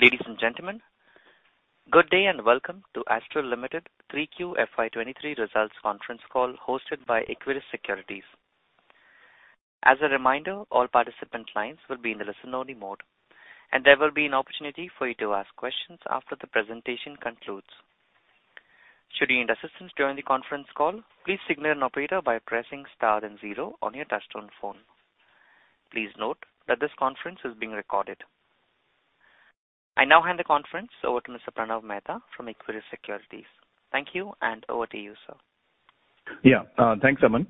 Ladies and gentlemen, good day and welcome to Astral Limited 3Q FY23 results conference call hosted by Equirus Securities. As a reminder, all participant lines will be in the listen-only mode, and there will be an opportunity for you to ask questions after the presentation concludes. Should you need assistance during the conference call, please signal an operator by pressing star then 0 on your touchtone phone. Please note that this conference is being recorded. I now hand the conference over to Mr. Pranav Mehta from Equirus Securities. Thank you. Over to you, sir. Yeah. Thanks, Aman.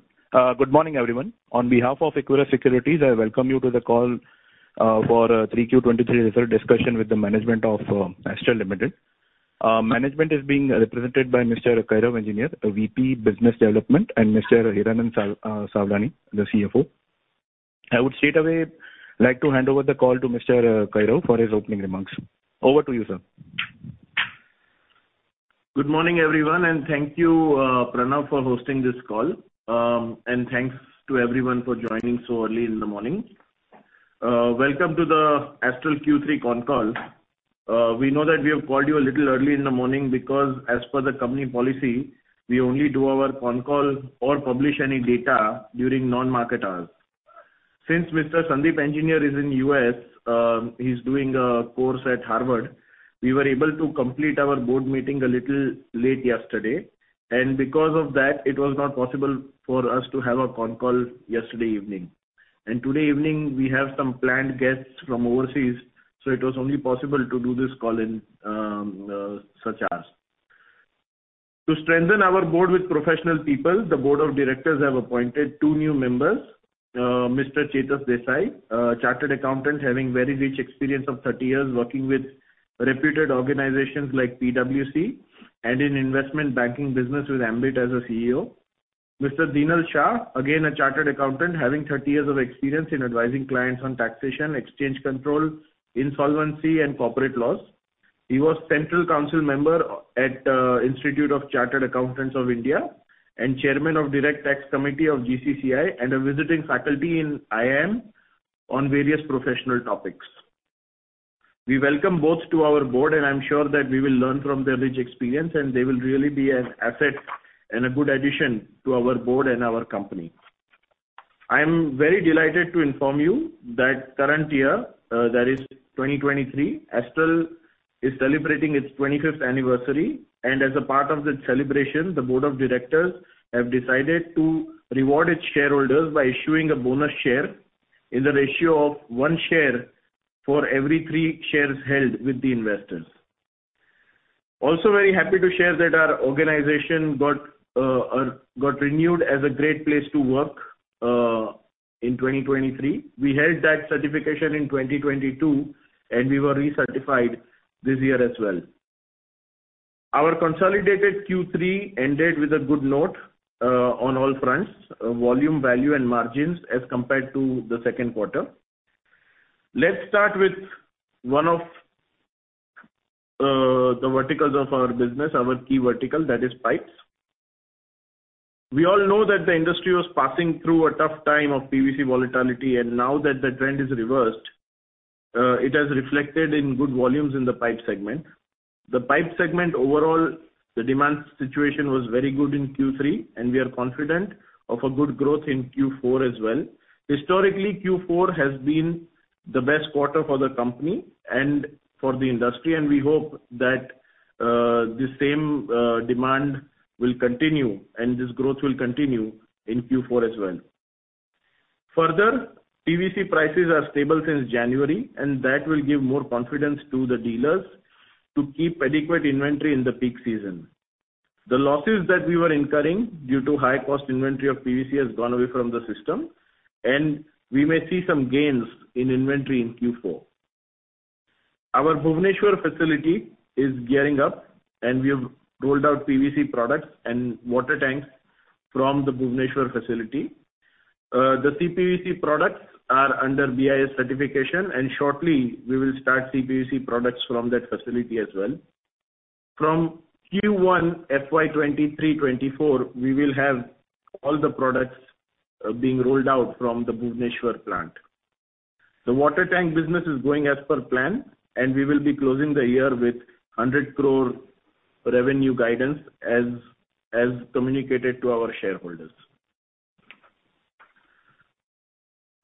Good morning, everyone. On behalf of Equirus Securities, I welcome you to the call for 3Q 2023 result discussion with the management of Astral Limited. Management is being represented by Mr. Kairav Engineer, VP Business Development, and Mr. Hiranand Savlani, the CFO. I would straightaway like to hand over the call to Mr. Kairav for his opening remarks. Over to you, sir. Good morning, everyone, and thank you, Pranav, for hosting this call. Thanks to everyone for joining so early in the morning. Welcome to the Astral Q3 con call. We know that we have called you a little early in the morning because as per the company policy, we only do our con call or publish any data during non-market hours. Since Mr. Sandeep Engineer is in U.S., he's doing a course at Harvard, we were able to complete our board meeting a little late yesterday. Because of that, it was not possible for us to have a con call yesterday evening. Today evening, we have some planned guests from overseas, so it was only possible to do this call in such hours. To strengthen our board with professional people, the board of directors have appointed two new members, Mr. Chetas Desai, a chartered accountant having very rich experience of 30 years working with reputed organizations like PwC and in investment banking business with Ambit as a CEO. Mr. Dhinal Shah, again, a chartered accountant having 30 years of experience in advising clients on taxation, exchange control, insolvency, and corporate laws. He was Central Council member at Institute of Chartered Accountants of India and Chairman of Direct Tax Committee of GCCI and a visiting faculty in IIM on various professional topics. We welcome both to our board, and I'm sure that we will learn from their rich experience, and they will really be an asset and a good addition to our board and our company. I am very delighted to inform you that current year, that is 2023, Astral is celebrating its 25th anniversary. As a part of the celebration, the board of directors have decided to reward its shareholders by issuing a bonus share in the ratio of one share for every three shares held with the investors. Very happy to share that our organization got renewed as a Great Place To Work in 2023. We held that certification in 2022. We were recertified this year as well. Our consolidated Q3 ended with a good note on all fronts, volume, value, and margins as compared to the second quarter. Let's start with one of the verticals of our business, our key vertical, that is pipes. We all know that the industry was passing through a tough time of PVC volatility. Now that the trend is reversed, it has reflected in good volumes in the pipe segment. The pipe segment overall, the demand situation was very good in Q3, and we are confident of a good growth in Q4 as well. Historically, Q4 has been the best quarter for the company and for the industry, and we hope that the same demand will continue and this growth will continue in Q4 as well. Further, PVC prices are stable since January, and that will give more confidence to the dealers to keep adequate inventory in the peak season. The losses that we were incurring due to high cost inventory of PVC has gone away from the system, and we may see some gains in inventory in Q4. Our Bhubaneswar facility is gearing up, and we have rolled out PVC products and water tanks from the Bhubaneswar facility. The CPVC products are under BIS certification, and shortly, we will start CPVC products from that facility as well. From Q1 FY 2023/2024, we will have all the products being rolled out from the Bhubaneswar plant. The water tank business is going as per plan, and we will be closing the year with 100 crore revenue guidance as communicated to our shareholders.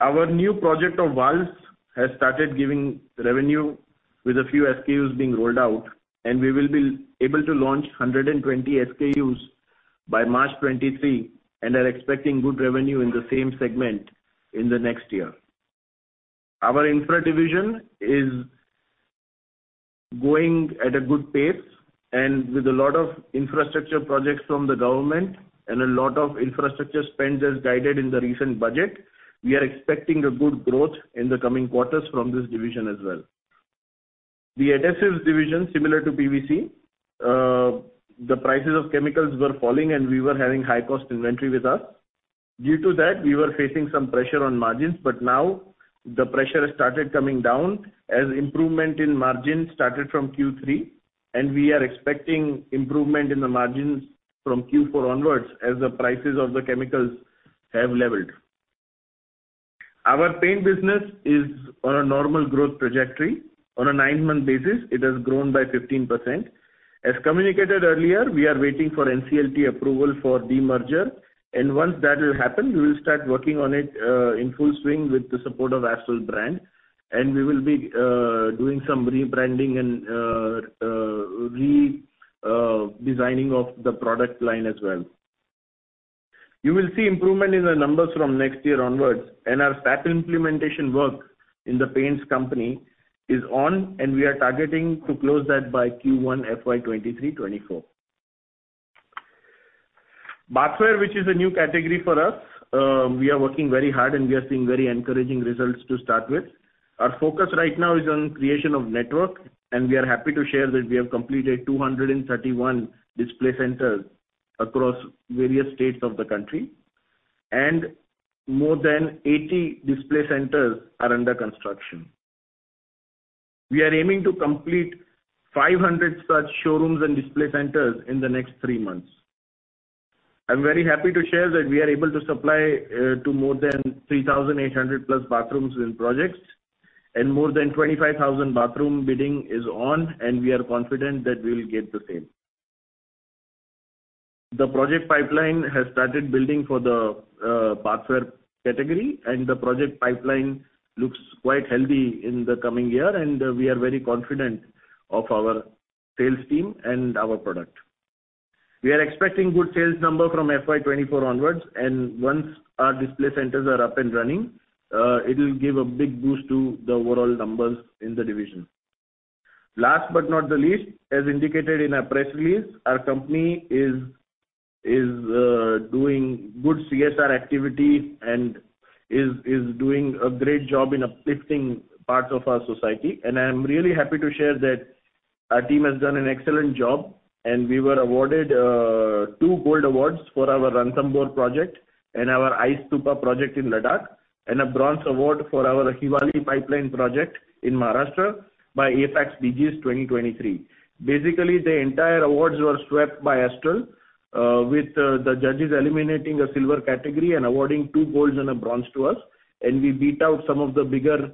Our new project of valves has started giving revenue with a few SKUs being rolled out, and we will be able to launch 120 SKUs by March 2023 and are expecting good revenue in the same segment in the next year. Our infra division is going at a good pace and with a lot of infrastructure projects from the government and a lot of infrastructure spend as guided in the recent budget. We are expecting a good growth in the coming quarters from this division as well. The adhesives division, similar to PVC, the prices of chemicals were falling, and we were having high cost inventory with us. Due to that, we were facing some pressure on margins, but now the pressure has started coming down as improvement in margins started from Q3, and we are expecting improvement in the margins from Q4 onwards as the prices of the chemicals have leveled. Our paint business is on a normal growth trajectory. On a nine-month basis, it has grown by 15%. As communicated earlier, we are waiting for NCLT approval for demerger, and once that will happen, we will start working on it, in full swing with the support of Astral brand, and we will be doing some rebranding and re designing of the product line as well. You will see improvement in the numbers from next year onwards. Our SAP implementation work in the paints company is on, and we are targeting to close that by Q1 FY 2023/2024. Bathware, which is a new category for us, we are working very hard, and we are seeing very encouraging results to start with. Our focus right now is on creation of network. We are happy to share that we have completed 231 display centers across various states of the country, and more than 80 display centers are under construction. We are aiming to complete 500 such showrooms and display centers in the next 3 months. I'm very happy to share that we are able to supply to more than 3,800+ bathrooms in projects, and more than 25,000 bathroom bidding is on, and we are confident that we will get the same. The project pipeline has started building for the bathware category, and the project pipeline looks quite healthy in the coming year, and we are very confident of our sales team and our product. We are expecting good sales number from FY 2024 onwards, and once our display centers are up and running, it will give a big boost to the overall numbers in the division. Last but not the least, as indicated in our press release, our company is doing good CSR activity and is doing a great job in uplifting parts of our society. I am really happy to share that our team has done an excellent job, and we were awarded 2 gold awards for our Ranthambore project and our Ice Stupa project in Ladakh, and a bronze award for our Hiwali pipeline project in Maharashtra by AFX Digis 2023. The entire awards were swept by Astral with the judges eliminating the silver category and awarding 2 golds and a bronze to us, and we beat out some of the bigger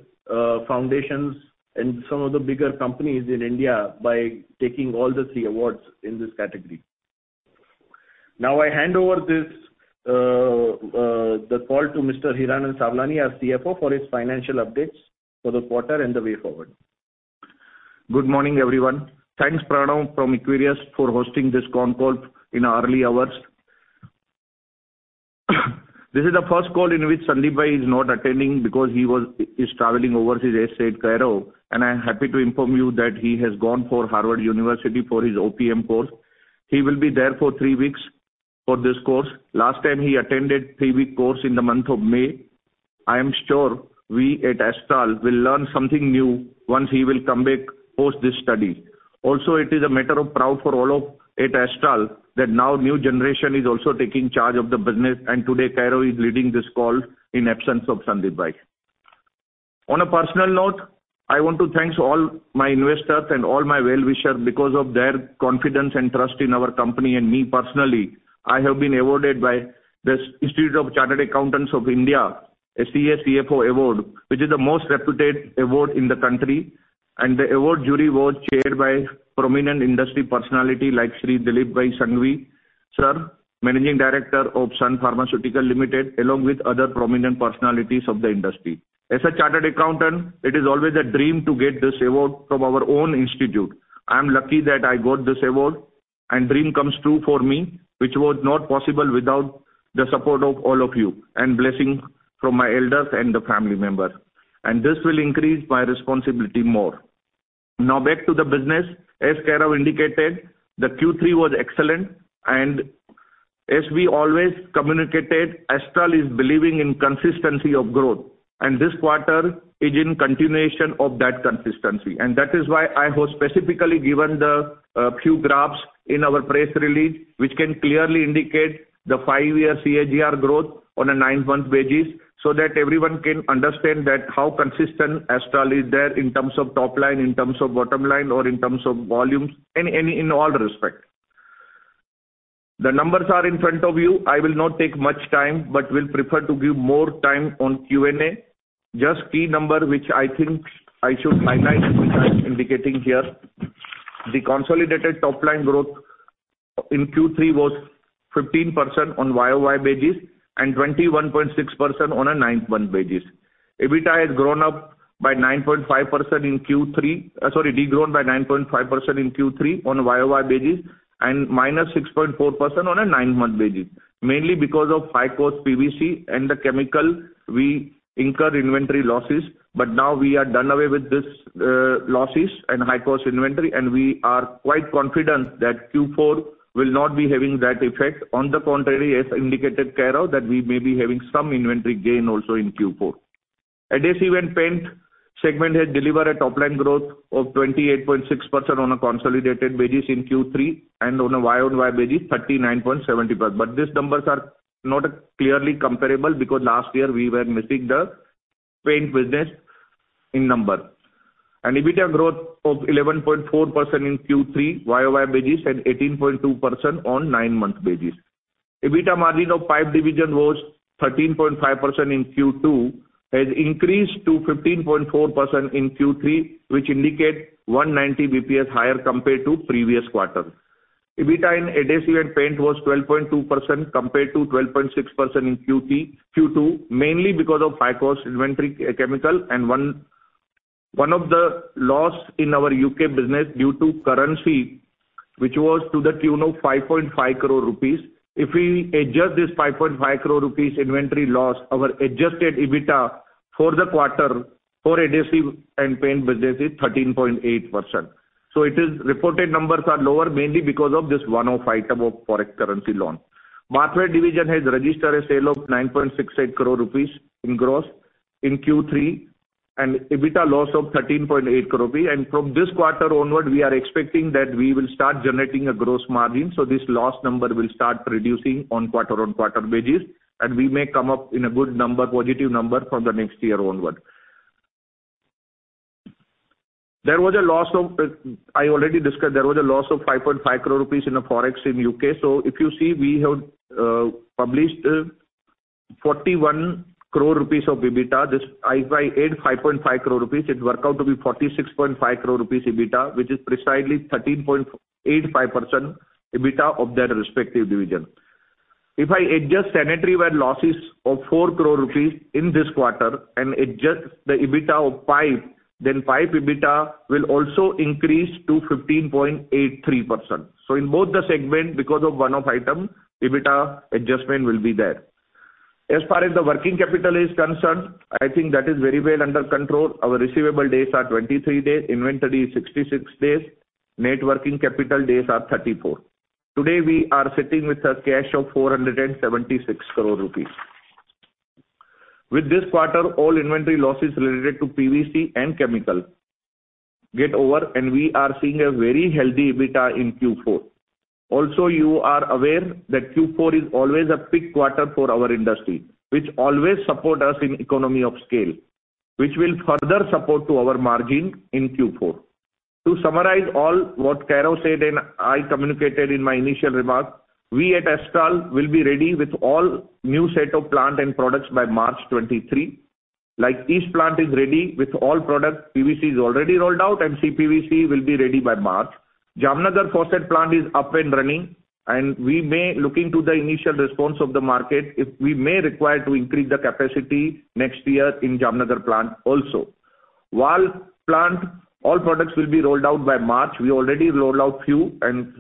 foundations and some of the bigger companies in India by taking all the 3 awards in this category. I hand over this call to Mr. Hiranand Savlani, our CFO, for his financial updates for the quarter and the way forward. Good morning, everyone. Thanks, Pranav from Equirus, for hosting this con call in our early hours. This is the first call in which Sandeep bhai is not attending because he's traveling overseas, as said Kairav, and I'm happy to inform you that he has gone for Harvard University for his OPM course. He will be there for three weeks for this course. Last time, he attended three-week course in the month of May. I am sure we at Astral will learn something new once he will come back post this study. It is a matter of proud for all at Astral that now new generation is also taking charge of the business, and today Kairav is leading this call in absence of Sandeep bhai. On a personal note, I want to thanks all my investors and all my well-wisher because of their confidence and trust in our company and me personally. I have been awarded by the Institute of Chartered Accountants of India, ICAI CFO Award, which is the most reputed award in the country. The award jury was chaired by prominent industry personality like Sri Dilipbhai Sanghavi, sir, managing director of Sun Pharmaceutical Limited, along with other prominent personalities of the industry. As a chartered accountant, it is always a dream to get this award from our own institute. I'm lucky that I got this award and dream comes true for me, which was not possible without the support of all of you and blessing from my elders and the family member. This will increase my responsibility more. Now back to the business. As Kairav indicated, the Q3 was excellent. As we always communicated, Astral is believing in consistency of growth, and this quarter is in continuation of that consistency. That is why I have specifically given the few graphs in our press release, which can clearly indicate the five-year CAGR growth on a nine-month basis so that everyone can understand that how consistent Astral is there in terms of top line, in terms of bottom line or in terms of volumes, in all respect. The numbers are in front of you. I will not take much time, but will prefer to give more time on Q&A. Just key number, which I think I should highlight which I'm indicating here. The consolidated top-line growth in Q3 was 15% on YOY basis and 21.6% on a nine-month basis. EBITDA has grown up by 9.5% in Q3, sorry, de-grown by 9.5% in Q3 on a YOY basis and -6.4% on a 9-month basis. Mainly because of high-cost PVC and the chemical, we incur inventory losses. Now we are done away with these losses and high-cost inventory, and we are quite confident that Q4 will not be having that effect. On the contrary, as indicated, Kairav, that we may be having some inventory gain also in Q4. Adhesive and paint segment has delivered a top-line growth of 28.6% on a consolidated basis in Q3, and on a YOY basis, 39.70%. These numbers are not clearly comparable because last year we were missing the Paint business in number. An EBITDA growth of 11.4% in Q3 YOY basis and 18.2% on nine-month basis. EBITDA margin of Pipe division was 13.5% in Q2, has increased to 15.4% in Q3, which indicate 190 BPS higher compared to previous quarter. EBITDA in Adhesive and Paint was 12.2% compared to 12.6% in Q2, mainly because of high cost inventory, chemical and one of the loss in our U.K. business due to currency, which was to the tune of 5.5 crore rupees. If we adjust this 5.5 crore rupees inventory loss, our adjusted EBITDA for the quarter for Adhesive and Paint business is 13.8%. It is reported numbers are lower mainly because of this one-off item of forex currency loan. Bathware division has registered a sale of 9.68 crore rupees in gross in Q3 and EBITDA loss of 13.8 crore rupees. From this quarter onward, we are expecting that we will start generating a gross margin, so this loss number will start reducing on quarter-on-quarter basis, and we may come up in a good number, positive number from the next year onward. There was a loss of, I already discussed there was a loss of 5.5 crore rupees in the forex in UK. If you see, we have published 41 crore rupees of EBITDA. This if I add 5.5 crore rupees, it work out to be 46.5 crore rupees EBITDA, which is precisely 13.85% EBITDA of that respective division. If I adjust sanitary ware losses of 4 crore rupees in this quarter and adjust the EBITDA of Pipe, then Pipe EBITDA will also increase to 15.83%. In both the segment, because of one-off item, EBITDA adjustment will be there. As far as the working capital is concerned, I think that is very well under control. Our receivable days are 23 days, inventory is 66 days. Net working capital days are 34. Today, we are sitting with a cash of 476 crore rupees. With this quarter, all inventory losses related to PVC and chemical get over, and we are seeing a very healthy EBITDA in Q4. You are aware that Q4 is always a peak quarter for our industry, which always support us in economy of scale, which will further support to our margin in Q4. To summarize all what Caro said and I communicated in my initial remarks, we at Astral will be ready with all new set of plant and products by March 2023. East plant is ready with all products. PVC is already rolled out, and CPVC will be ready by March. Jamnagar faucet plant is up and running, and we may, looking to the initial response of the market, if we may require to increase the capacity next year in Jamnagar plant also. Wal plant, all products will be rolled out by March. We already roll out few and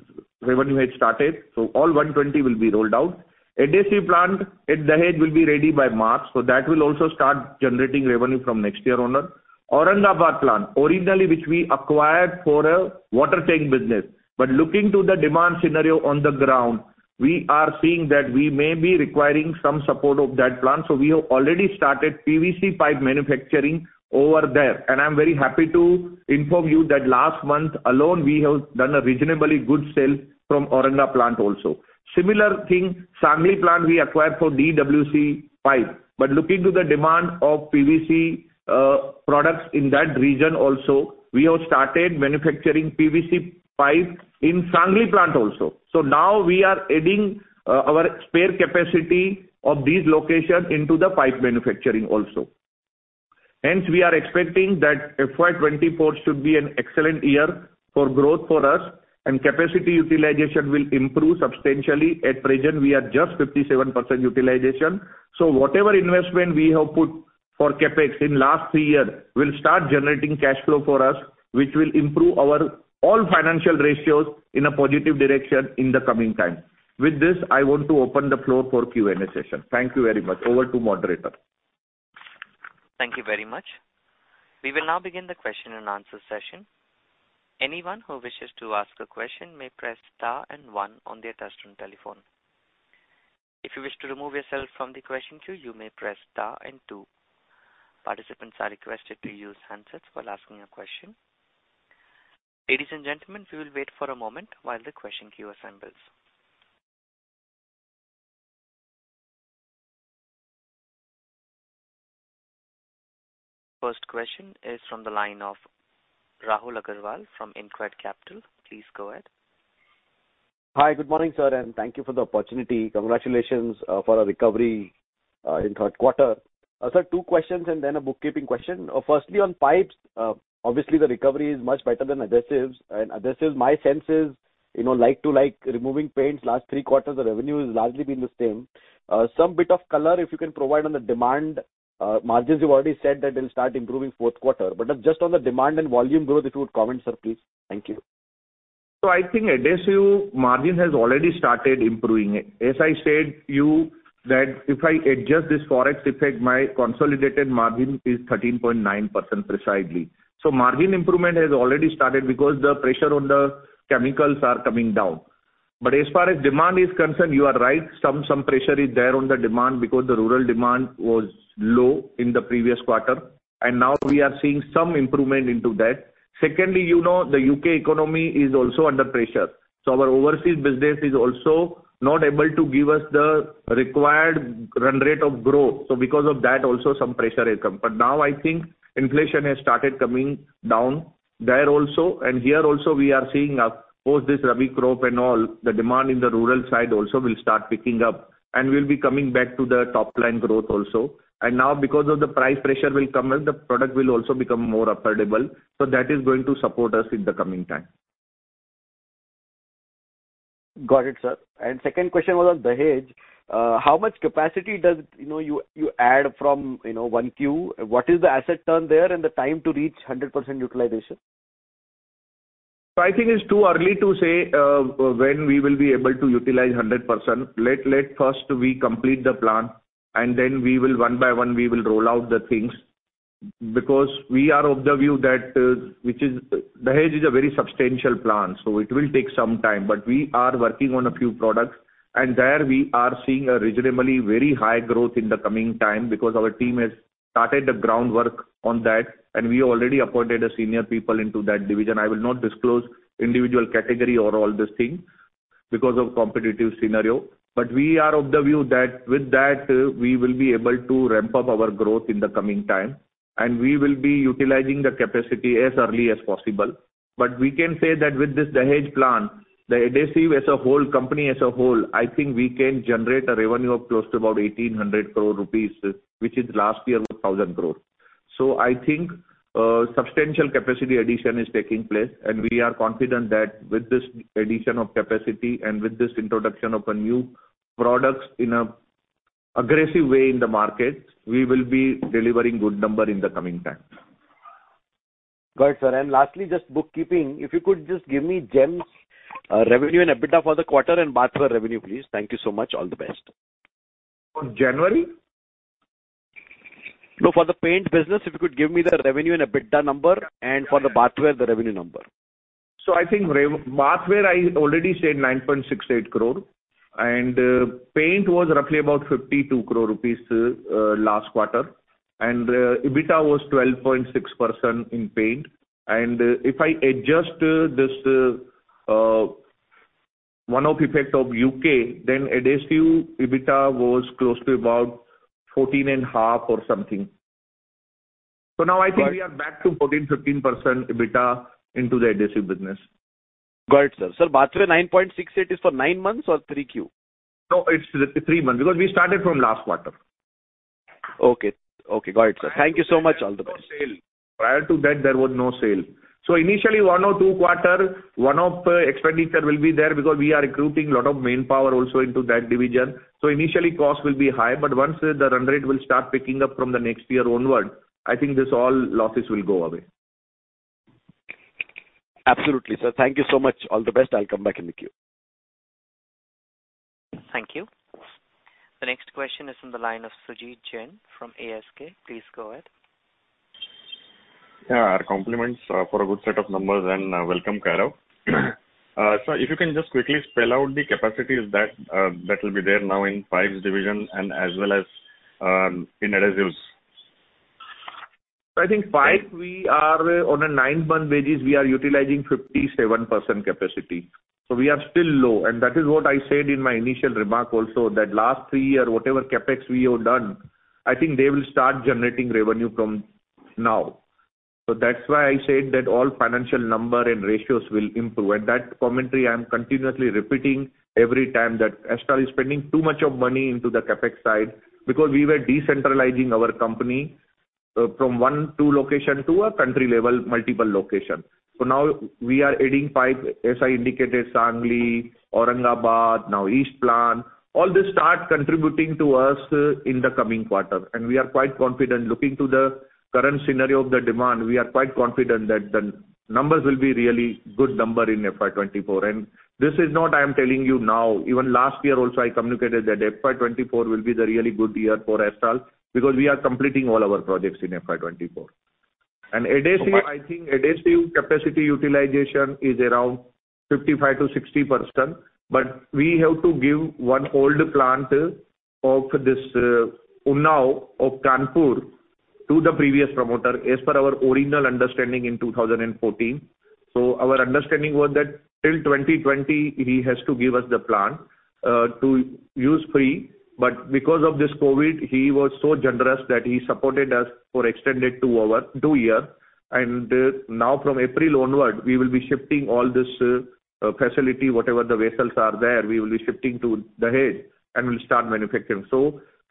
revenue has started. All 120 will be rolled out. Adhesive plant at Dahej will be ready by March, that will also start generating revenue from next year onward. Aurangabad plant, originally which we acquired for a water tank business. Looking to the demand scenario on the ground, we are seeing that we may be requiring some support of that plant, we have already started PVC pipe manufacturing over there. I'm very happy to inform you that last month alone we have done a reasonably good sale from Aurangabad plant also. Similar thing, Sangli plant we acquired for DWC pipe. Looking to the demand of PVC products in that region also, we have started manufacturing PVC pipe in Sangli plant also. Now we are adding our spare capacity of these locations into the pipe manufacturing also. Hence, we are expecting that FY 2024 should be an excellent year for growth for us and capacity utilization will improve substantially. At present, we are just 57% utilization. Whatever investment we have put for CapEx in last 3 year will start generating cash flow for us, which will improve our all financial ratios in a positive direction in the coming time. With this, I want to open the floor for Q&A session. Thank you very much. Over to moderator. Thank you very much. We will now begin the question and answer session. Anyone who wishes to ask a question may press star 1 on their touchtone telephone. If you wish to remove yourself from the question queue, you may press star 2. Participants are requested to use handsets while asking a question. Ladies and gentlemen, we will wait for a moment while the question queue assembles. First question is from the line of Rahul Agarwal from InCred Capital. Please go ahead. Hi, good morning, sir, and thank you for the opportunity. Congratulations, for a recovery in third quarter. Sir, two questions and then a bookkeeping question. Firstly, on Pipes, obviously the recovery is much better than Adhesives. Adhesives, my sense is, you know, like to like, removing Paints last three quarters, the revenue has largely been the same. Some bit of color, if you can provide on the demand, margins, you've already said that they'll start improving fourth quarter. Just on the demand and volume growth, if you would comment, sir, please. Thank you. I think Adhesive margin has already started improving. As I said you that if I adjust this forex effect, my consolidated margin is 13.9% precisely. Margin improvement has already started because the pressure on the chemicals are coming down. As far as demand is concerned, you are right, some pressure is there on the demand because the rural demand was low in the previous quarter. Now we are seeing some improvement into that. Secondly, you know, the U.K. economy is also under pressure. Our overseas business is also not able to give us the required run rate of growth. Because of that also some pressure has come. Now I think inflation has started coming down there also, and here also we are seeing, of course, this rabi crop and all, the demand in the rural side also will start picking up, and we'll be coming back to the top-line growth also. Now because of the price pressure will come in, the product will also become more affordable. That is going to support us in the coming time. Got it, sir. Second question was on Dahej. How much capacity does, you know, you add from, you know, 1Q? What is the asset turn there and the time to reach 100% utilization? I think it's too early to say when we will be able to utilize 100%. Let first we complete the plant and then we will one by one we will roll out the things. We are of the view that Dahej is a very substantial plant, so it will take some time. We are working on a few products, and there we are seeing a reasonably very high growth in the coming time because our team has started the groundwork on that, and we already appointed a senior people into that division. I will not disclose individual category or all these things because of competitive scenario. We are of the view that with that, we will be able to ramp up our growth in the coming time, and we will be utilizing the capacity as early as possible. We can say that with this Dahej plant, the adhesive as a whole, company as a whole, I think we can generate a revenue of close to about 1,800 crore rupees, which is last year was 1,000 crore. I think substantial capacity addition is taking place, and we are confident that with this addition of capacity and with this introduction of new products in a aggressive way in the market, we will be delivering good number in the coming time. Got it, sir. Lastly, just bookkeeping. If you could just give me Gem revenue and EBITDA for the quarter and bathware revenue, please. Thank you so much. All the best. For January? No, for the paint business, if you could give me the revenue and EBITDA number, and for the bathware, the revenue number. I think bathware I already said 9.68 crore. Paint was roughly about 52 crore rupees last quarter. EBITDA was 12.6% in paint. If I adjust this one-off effect of UK, then adhesive EBITDA was close to about 14.5% or something. Now I think we are back to 14%-15% EBITDA into the adhesive business. Got it, sir. Sir, bathware 9.68 is for 9 months or 3Q? No, it's three months because we started from last quarter. Okay. Okay. Got it, sir. Thank you so much. All the best. Prior to that sale. Prior to that, there was no sale. Initially, one or two quarter, one-off expenditure will be there because we are recruiting a lot of manpower also into that division. Initially, cost will be high, but once the run rate will start picking up from the next year onward, I think this all losses will go away. Absolutely, sir. Thank you so much. All the best. I'll come back in the queue. Thank you. The next question is on the line of Sumit Jain from ASK. Please go ahead. Yeah. Our compliments for a good set of numbers and welcome, Kairav. sir, if you can just quickly spell out the capacities that will be there now in pipes division and as well as in adhesives. I think pipes we are on a nine-month basis, we are utilizing 57% capacity. We are still low. That is what I said in my initial remark also that last three year, whatever CapEx we have done, I think they will start generating revenue from now. That's why I said that all financial number and ratios will improve. That commentary I am continuously repeating every time that Astral is spending too much of money into the CapEx side because we were decentralizing our company from one, two location to a country level, multiple location. Now we are adding pipe, as I indicated, Sangli, Aurangabad, now east plant. All this start contributing to us in the coming quarter. We are quite confident looking to the current scenario of the demand, we are quite confident that the numbers will be really good number in FY 2024. This is not I am telling you now. Even last year also, I communicated that FY 2024 will be the really good year for Astral because we are completing all our projects in FY 2024. Adhesive, I think adhesive capacity utilization is around 55%-60%, but we have to give one old plant of this Unnao of Kanpur to the previous promoter as per our original understanding in 2014. Our understanding was that till 2020 he has to give us the plant to use free. Because of this COVID, he was so generous that he supported us for extended two year. From April onward, we will be shifting all this facility, whatever the vessels are there, we will be shifting to Dahej and we'll start manufacturing.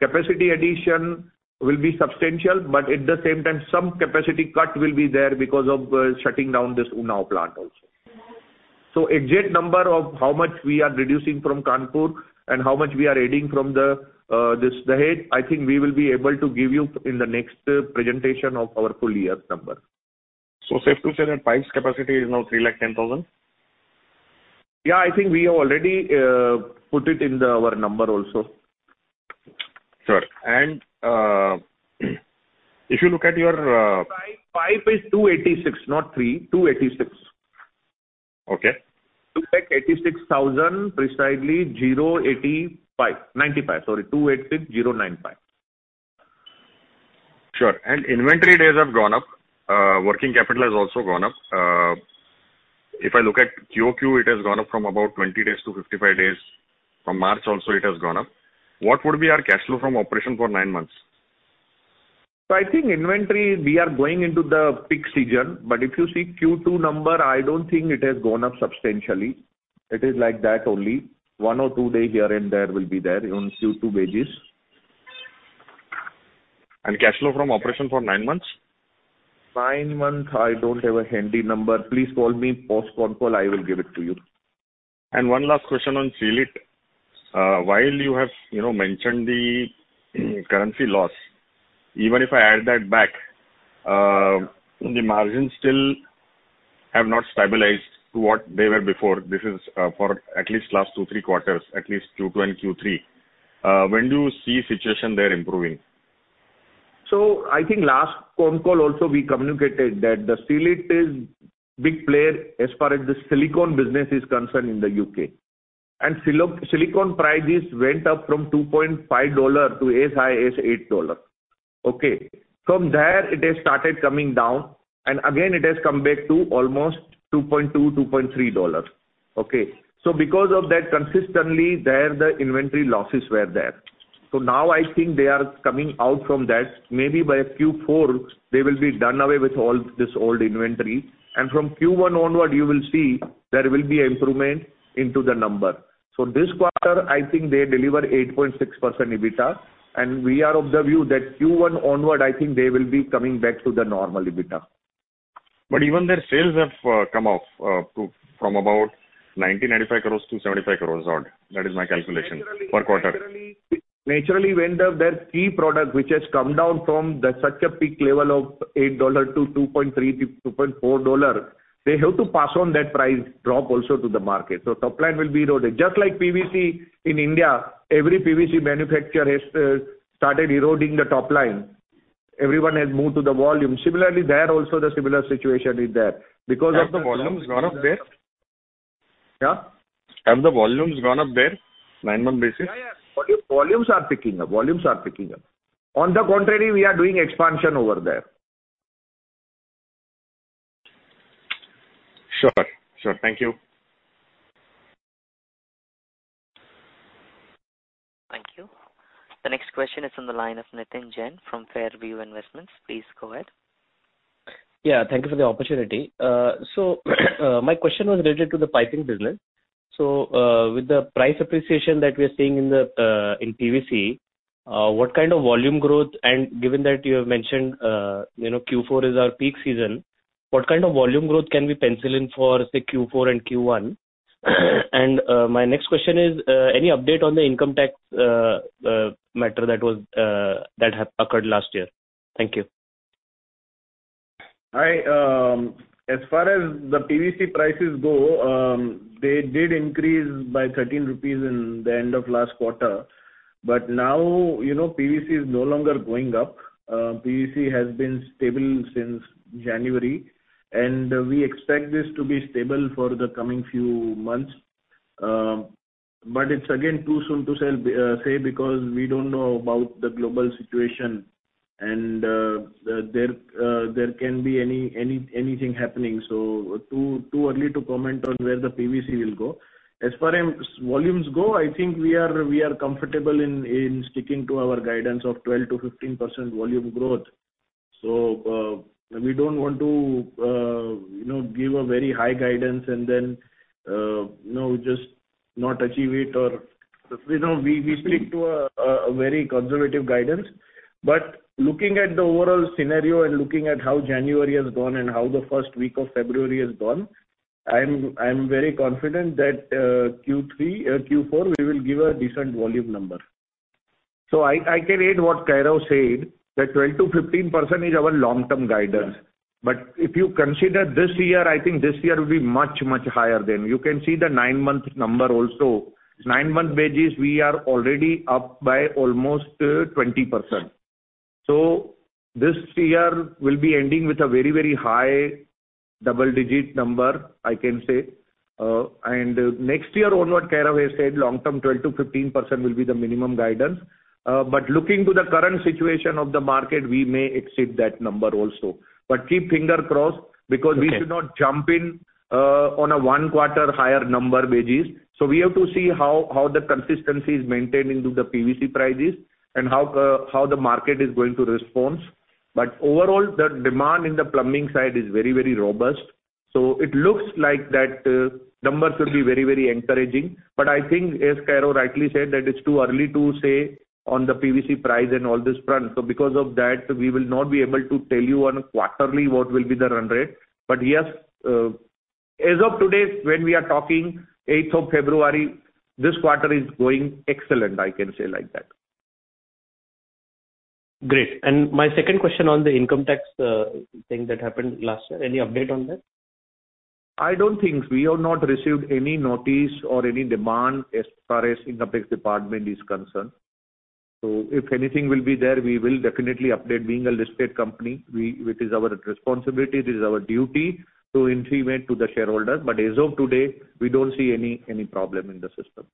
Capacity addition will be substantial, but at the same time, some capacity cut will be there because of shutting down this Unnao plant also. Exact number of how much we are reducing from Kanpur and how much we are adding from the this Dahej, I think we will be able to give you in the next presentation of our full year number. Safe to say that pipes capacity is now 310,000? I think we have already put it in the our number also. Sure. If you look at your. Pipe is 286, not 3. 286. Okay. INR 286,000 precisely 85, 95, sorry. 286,095. Sure. Inventory days have gone up. Working capital has also gone up. If I look at QoQ, it has gone up from about 20 days to 55 days. From March also it has gone up. What would be our cash flow from operations for 9 months? I think inventory, we are going into the peak season. If you see Q2 number, I don't think it has gone up substantially. It is like that only. 1 or 2 day here and there will be there on Q2 wages. Cash flow from operations for 9 months? 9 months, I don't have a handy number. Please call me post con call, I will give it to you. One last question on Seal It. While you have, you know, mentioned the currency loss, even if I add that back, the margins still have not stabilized to what they were before. This is for at least last two, three quarters, at least Q2 and Q3. When do you see situation there improving? I think last con call also we communicated that the Sealit is big player as far as the silicone business is concerned in the U.K. Silicone prices went up from $2.5 to as high as $8. Okay. From there it has started coming down, and again it has come back to almost $2.2-$2.3. Okay. Because of that, consistently there the inventory losses were there. Now I think they are coming out from that. Maybe by Q4 they will be done away with all this old inventory. From Q1 onward you will see there will be improvement into the number. This quarter I think they deliver 8.6% EBITDA, and we are of the view that Q1 onward, I think they will be coming back to the normal EBITDA. Even their sales have come off to from about 90 crore-95 crore to 75 crore odd. That is my calculation per quarter. Naturally when their key product which has come down from the such a peak level of $8 to $2.3-$2.4, they have to pass on that price drop also to the market. Top line will be eroded. Just like PVC in India, every PVC manufacturer has started eroding the top line. Everyone has moved to the volume. Similarly, there also the similar situation is there Have the volumes gone up there? Yeah? Have the volumes gone up there 9 month basis? Yeah, yeah. Volumes are picking up. Volumes are picking up. On the contrary we are doing expansion over there. Sure. Sure. Thank you. Thank you. The next question is on the line of Nitin Jain from Fairview Investments. Please go ahead. Yeah, thank you for the opportunity. My question was related to the piping business. With the price appreciation that we're seeing in the PVC, given that you have mentioned, you know, Q4 is our peak season, what kind of volume growth can we pencil in for, say, Q4 and Q1? My next question is, any update on the income tax matter that had occurred last year? Thank you. I, as far as the PVC prices go, they did increase by 13 rupees in the end of last quarter. Now, you know, PVC is no longer going up. PVC has been stable since January. We expect this to be stable for the coming few months. It's again too soon to say because we don't know about the global situation and there can be anything happening. Too early to comment on where the PVC will go. As far as volumes go, I think we are comfortable in sticking to our guidance of 12%-15% volume growth. We don't want to, you know, give a very high guidance and then, you know, just not achieve it or... You know, we stick to a very conservative guidance. Looking at the overall scenario and looking at how January has gone and how the first week of February has gone, I'm very confident that Q3, Q4 we will give a decent volume number. I can add what Kairav said that 12%-15% is our long-term guidance. If you consider this year, I think this year will be much higher than. You can see the nine-month number also. Nine-month wages we are already up by almost 20%. This year we'll be ending with a very high double-digit number, I can say. Next year onward, Kairav has said long-term 12%-15% will be the minimum guidance. Looking to the current situation of the market, we may exceed that number also. Keep finger crossed because we should not jump in on a 1 quarter higher number wages. We have to see how the consistency is maintained into the PVC prices and how the market is going to response. Overall, the demand in the plumbing side is very, very robust, so it looks like that numbers will be very, very encouraging. I think as Kairav rightly said, that it's too early to say on the PVC price and all this front. Because of that, we will not be able to tell you on quarterly what will be the run rate. Yes, as of today when we are talking, 8th of February, this quarter is going excellent, I can say like that. Great. My second question on the income tax thing that happened last year. Any update on that? I don't think. We have not received any notice or any demand as far as income tax department is concerned. If anything will be there, we will definitely update. Being a listed company, it is our responsibility, it is our duty to intimate to the shareholders. As of today, we don't see any problem in the system.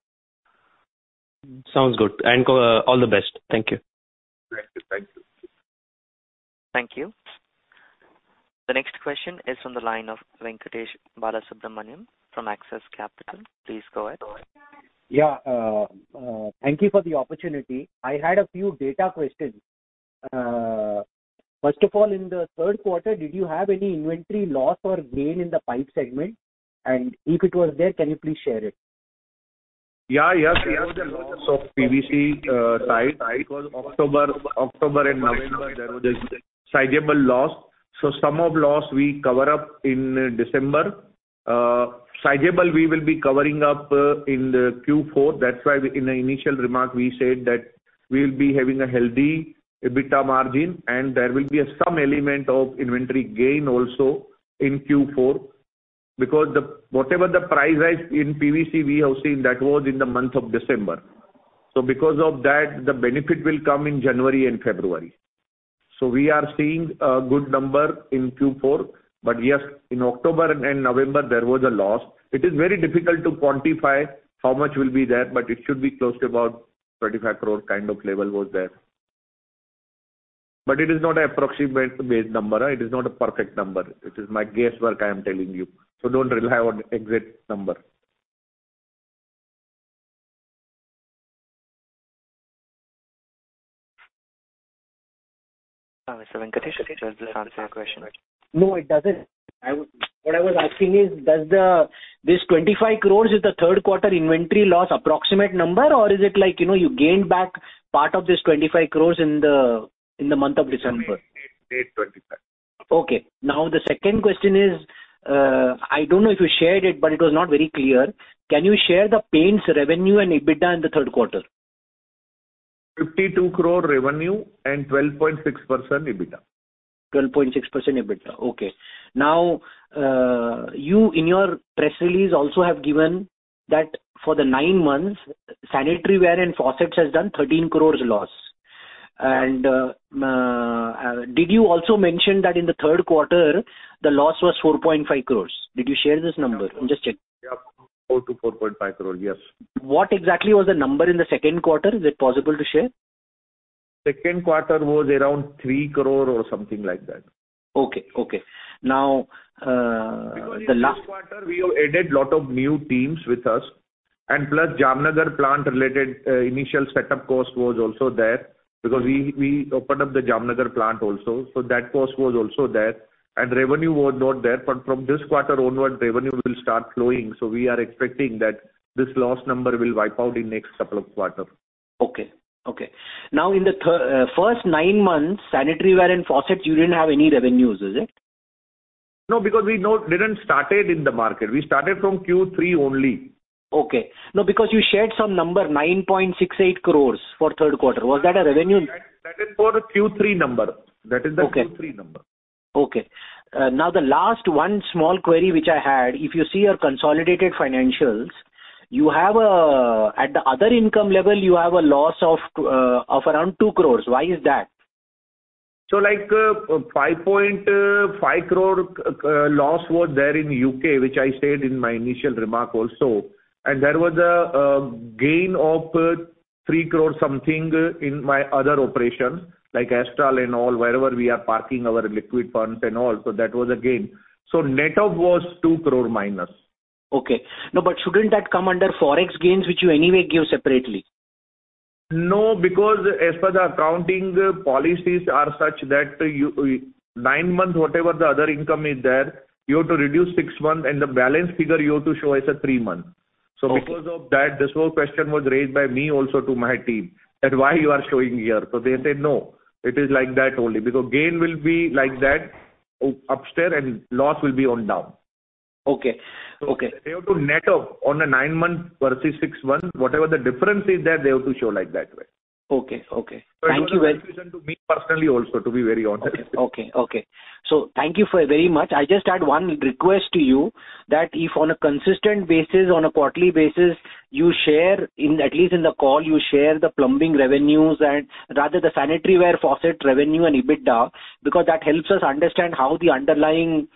Sounds good. Go... All the best. Thank you. Thank you. Thank you. Thank you. The next question is from the line of Venkatesh Balasubramaniam from Axis Capital. Please go ahead. Yeah. Thank you for the opportunity. I had a few data questions. First of all, in the third quarter, did you have any inventory loss or gain in the pipe segment? If it was there, can you please share it? Yes. There was a loss of PVC pipe. It was October and November, there was a sizable loss. Some of loss we cover up in December. Sizable we will be covering up in the Q4. That's why in the initial remark we said that we'll be having a healthy EBITDA margin, and there will be some element of inventory gain also in Q4. Whatever the price rise in PVC we have seen, that was in the month of December. Because of that, the benefit will come in January and February. We are seeing a good number in Q4. Yes, in October and November, there was a loss. It is very difficult to quantify how much will be there, but it should be close to about 35 crore kind of level was there. It is not an approximate base number. It is not a perfect number. It is my guesswork I am telling you. Don't rely on the exact number. Mr. Venkatesh, does this answer your question? No, it doesn't. What I was asking is, does the... This 25 crores is the third quarter inventory loss approximate number or is it like, you know, you gained back part of this 25 crores in the, in the month of December? It's 25. Okay. Now the second question is, I don't know if you shared it, but it was not very clear. Can you share the Paints revenue and EBITDA in the third quarter? 52 crore revenue and 12.6% EBITDA. 12.6% EBITDA. Okay. You in your press release also have given that for the nine months, sanitary ware and faucets has done 13 crores loss. Did you also mention that in the third quarter, the loss was 4.5 crores? Did you share this number? I'm just checking. Yeah. 4 crore-4.5 crore, yes. What exactly was the number in the second quarter? Is it possible to share? Second quarter was around 3 crore or something like that. Okay. Okay. Now. In this quarter we have added lot of new teams with us, plus Jamnagar plant related, initial setup cost was also there because we opened up the Jamnagar plant also. That cost was also there. Revenue was not there. From this quarter onward, revenue will start flowing. We are expecting that this loss number will wipe out in next couple of quarter. Okay. Okay. Now in the first 9 months, sanitary ware and faucet, you didn't have any revenues, is it? Because we didn't started in the market. We started from Q3 only. Okay. No, because you shared some number, 9.68 crores for third quarter. Was that a revenue? That is for Q3 number. Okay. That is the Q3 number. Okay. Now the last one small query which I had, if you see your consolidated financials, at the other income level, you have a loss of around 2 crores. Why is that? 5.5 crore loss was there in UK, which I said in my initial remark also. There was a gain of 3 crore something in my other operations like Astral and all, wherever we are parking our liquid funds and all. That was a gain. Net off was 2 crore minus. Okay. No, shouldn't that come under Forex gains which you anyway give separately? No, because as per the accounting policies are such that you, 9 months whatever the other income is there, you have to reduce 6 months and the balance figure you have to show as a 3 month. Okay. Because of that, this whole question was raised by me also to my team that why you are showing here. They said, "No, it is like that only." Because gain will be like that upstairs and loss will be on down. Okay. Okay. They have to net off on a nine-month versus six month. Whatever the difference is there, they have to show like that way. Okay. Okay. Thank you. It was a confusion to me personally also to be very honest. Okay. Okay. Thank you for very much. I just had one request to you that if on a consistent basis, on a quarterly basis, you share in, at least in the call, you share the plumbing revenues and rather the sanitary ware faucet revenue and EBITDA, because that helps us understand how the underlying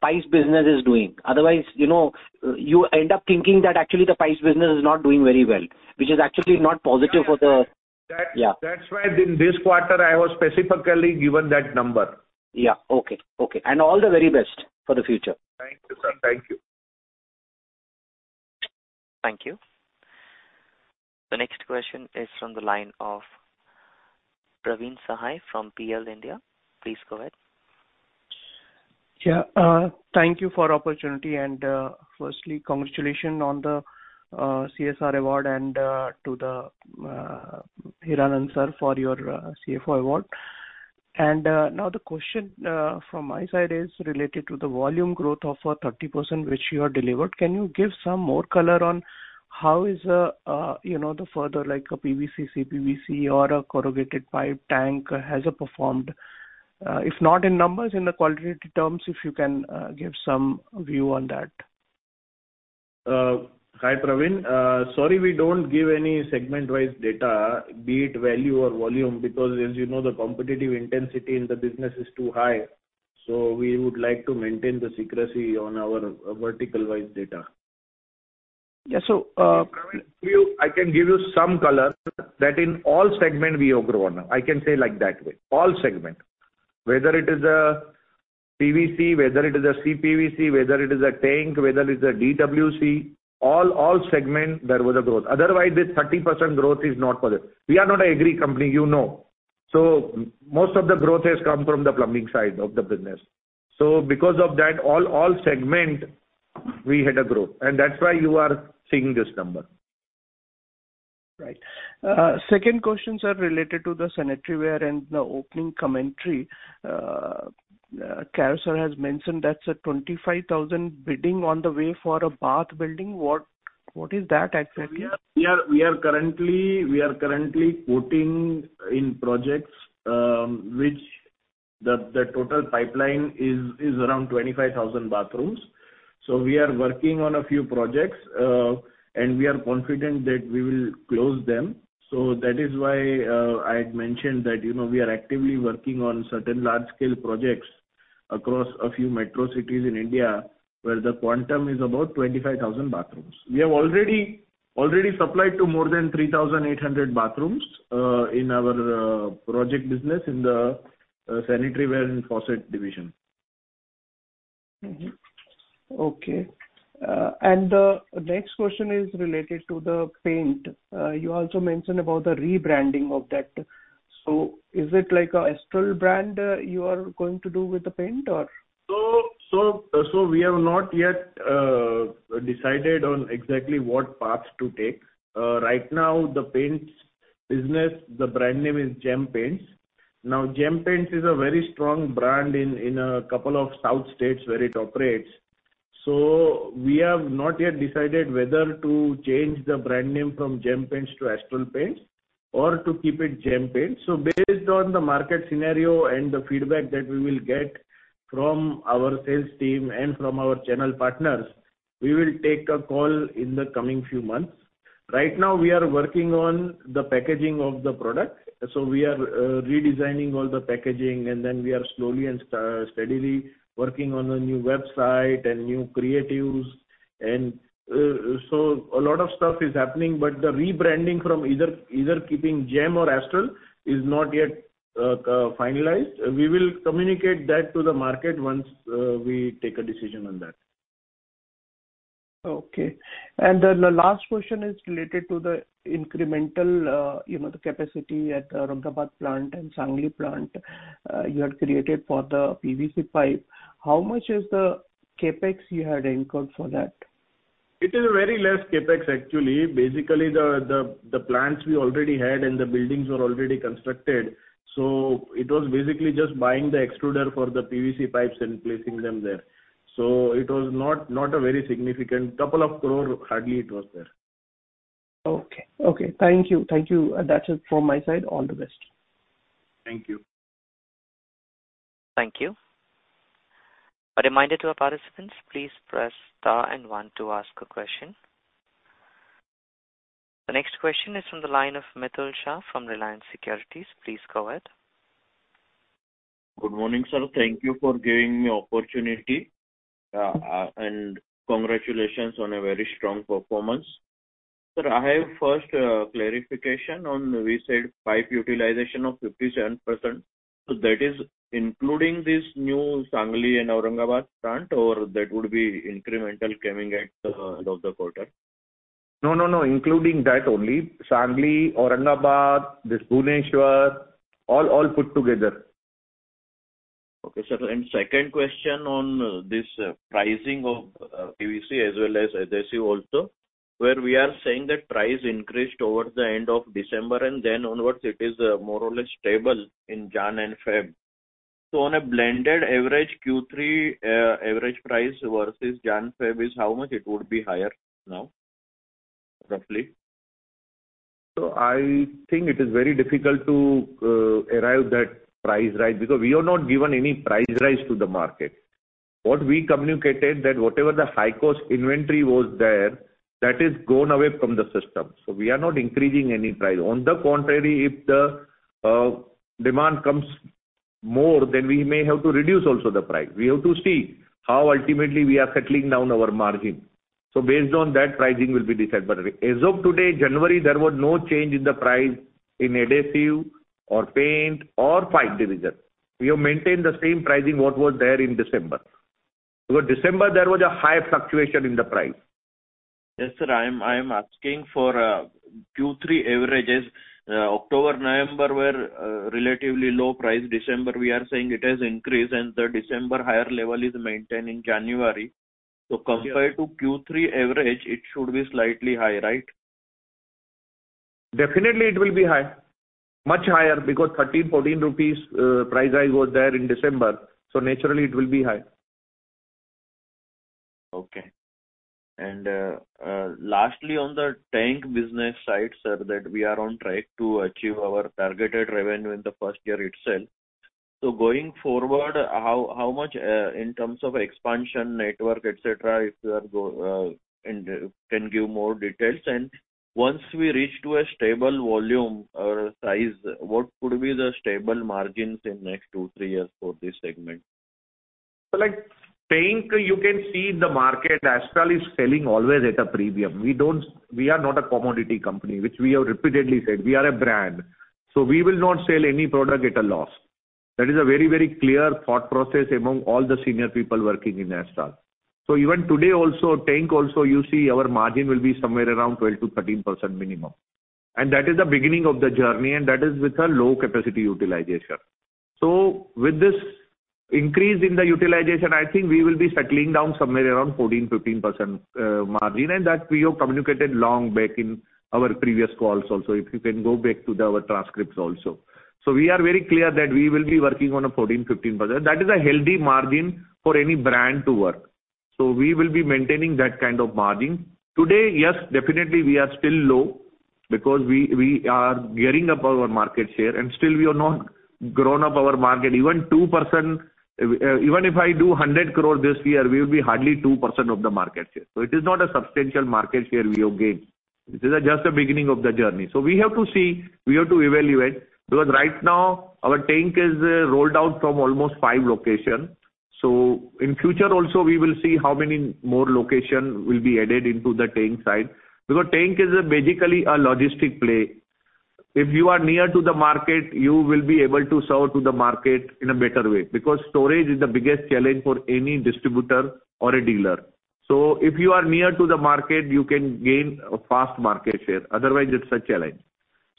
pipes business is doing. Otherwise, you know, you end up thinking that actually the pipes business is not doing very well, which is actually not positive for the- That- Yeah. That's why in this quarter I was specifically given that number. Yeah. Okay. Okay. All the very best for the future. Thank you, sir. Thank you. Thank you. The next question is from the line of Praveen Sahay from Prabhudas Lilladher. Please go ahead. Yeah. Thank you for opportunity. Firstly, congratulations on the CSR award and to the Hiranand Sir for your CFO award. Now the question from my side is related to the volume growth of 30% which you have delivered. Can you give some more color on how is, you know, the further like PVC, CPVC or a corrugated pipe tank has performed? If not in numbers, in the qualitative terms, if you can give some view on that. Hi, Praveen. Sorry, we don't give any segment-wise data, be it value or volume, because as you know, the competitive intensity in the business is too high. We would like to maintain the secrecy on our vertical wise data. Yeah. Praveen, you, I can give you some color that in all segment we have grown. I can say like that way, all segment, whether it is a PVC, whether it is a CPVC, whether it is a tank, whether it's a DWC, all segment there was a growth. Otherwise this 30% growth is not possible. We are not agri company, you know. Most of the growth has come from the plumbing side of the business. Because of that, all segment we had a growth, and that's why you are seeing this number. Right. Second questions are related to the sanitary ware and the opening commentary. Kairav has mentioned that's a 25,000 bidding on the way for a bath building. What is that exactly? We are currently quoting in projects, which the total pipeline is around 25,000 bathrooms. We are working on a few projects, and we are confident that we will close them. That is why I had mentioned that, you know, we are actively working on certain large scale projects across a few metro cities in India, where the quantum is about 25,000 bathrooms. We have already supplied to more than 3,800 bathrooms in our project business in the sanitary ware and faucet division. Mm-hmm. Okay. The next question is related to the paint. You also mentioned about the rebranding of that. Is it like a Astral brand, you are going to do with the paint or? We have not yet decided on exactly what path to take. Right now the paints business, the brand name is Gem Paints. Gem Paints is a very strong brand in a couple of south states where it operates. We have not yet decided whether to change the brand name from Gem Paints to Astral Paints or to keep it Gem Paints. Based on the market scenario and the feedback that we will get from our sales team and from our channel partners, we will take a call in the coming few months. Right now we are working on the packaging of the product, we are redesigning all the packaging, then we are slowly and steadily working on a new website and new creatives. A lot of stuff is happening, the rebranding from either keeping Gem or Astral is not yet finalized. We will communicate that to the market once we take a decision on that. Okay. The last question is related to the incremental, you know, the capacity at Aurangabad plant and Sangli plant, you had created for the PVC pipe. How much is the CapEx you had incurred for that? It is very less CapEx actually. The plants we already had and the buildings were already constructed, so it was basically just buying the extruder for the PVC pipes and placing them there. It was not a very significant. INR couple of crore hardly it was there. Okay. Thank you. That's it from my side. All the best. Thank you. Thank you. A reminder to our participants, please press star and 1 to ask a question. The next question is from the line of Mitul Shah from Reliance Securities. Please go ahead. Good morning, sir. Thank you for giving me opportunity, and congratulations on a very strong performance. Sir, I have first clarification on we said pipe utilization of 57%. That is including this new Sangli and Aurangabad plant or that would be incremental coming at the end of the quarter? No, no. Including that only. Sangli, Aurangabad, this Bhubaneswar, all put together. Okay, sir. Second question on this pricing of PVC as well as adhesive also, where we are saying that price increased over the end of December and then onwards it is more or less stable in January and February. On a blended average Q3 average price versus January, February is how much it would be higher now, roughly? I think it is very difficult to arrive that price rise because we have not given any price rise to the market. What we communicated that whatever the high cost inventory was there, that is gone away from the system, so we are not increasing any price. On the contrary, if the demand comes more, then we may have to reduce also the price. We have to see how ultimately we are settling down our margin. Based on that pricing will be decided. As of today, January, there was no change in the price in adhesive or paint or pipe division. We have maintained the same pricing what was there in December. December there was a high fluctuation in the price. Yes, sir. I'm asking for Q3 averages. October, November were relatively low price. December we are saying it has increased and the December higher level is maintained in January. Compared to Q3 average, it should be slightly high, right? Definitely it will be high. Much higher because 13-14 rupees price rise was there in December, so naturally it will be high. Okay. Lastly on the tank business side, sir, that we are on track to achieve our targeted revenue in the first year itself. Going forward, how much in terms of expansion network, et cetera, if you can give more details and once we reach to a stable volume or size, what would be the stable margins in next 2, 3 years for this segment? Like tank, you can see the market, Astral is selling always at a premium. We are not a commodity company, which we have repeatedly said. We are a brand, so we will not sell any product at a loss. That is a very, very clear thought process among all the senior people working in Astral. Even today also, tank also, you see our margin will be somewhere around 12%-13% minimum. That is the beginning of the journey, and that is with a low capacity utilization. With this increase in the utilization, I think we will be settling down somewhere around 14%-15% margin. That we have communicated long back in our previous calls also, if you can go back to our transcripts also. We are very clear that we will be working on a 14%-15%. That is a healthy margin for any brand to work. We will be maintaining that kind of margin. Today, yes, definitely, we are still low because we are gearing up our market share and still we have not grown up our market. Even 2%. Even if I do 100 crore this year, we will be hardly 2% of the market share. It is not a substantial market share we have gained. This is just a beginning of the journey. We have to see, we have to evaluate, because right now our tank is rolled out from almost 5 locations. In future also we will see how many more location will be added into the tank side. Tank is basically a logistic play. If you are near to the market, you will be able to serve to the market in a better way, because storage is the biggest challenge for any distributor or a dealer. If you are near to the market, you can gain a fast market share. Otherwise, it's a challenge.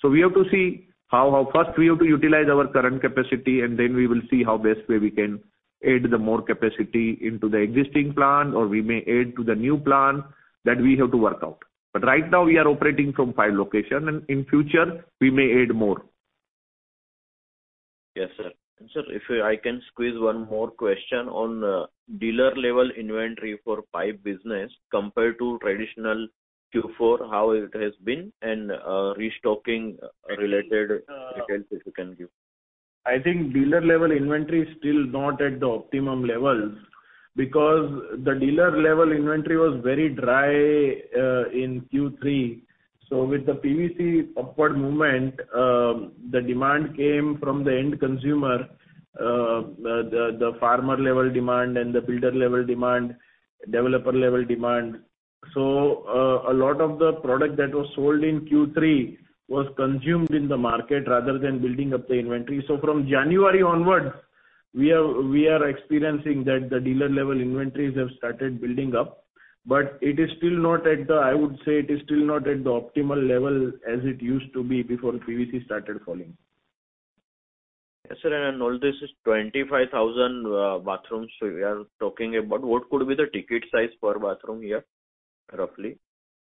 We have to see how first we have to utilize our current capacity, and then we will see how best way we can add the more capacity into the existing plant, or we may add to the new plant that we have to work out. Right now we are operating from five location, and in future we may add more. Yes, sir. Sir, if I can squeeze one more question on dealer level inventory for pipe business compared to traditional Q4, how it has been and restocking related details if you can give? I think dealer level inventory is still not at the optimum levels because the dealer level inventory was very dry in Q3. With the PVC upward movement, the demand came from the end consumer, the farmer level demand and the builder level demand, developer level demand. A lot of the product that was sold in Q3 was consumed in the market rather than building up the inventory. From January onwards, we are experiencing that the dealer level inventories have started building up, but I would say it is still not at the optimal level as it used to be before PVC started falling. Yes, sir. All this is 25,000 bathrooms we are talking about. What could be the ticket size per bathroom here, roughly?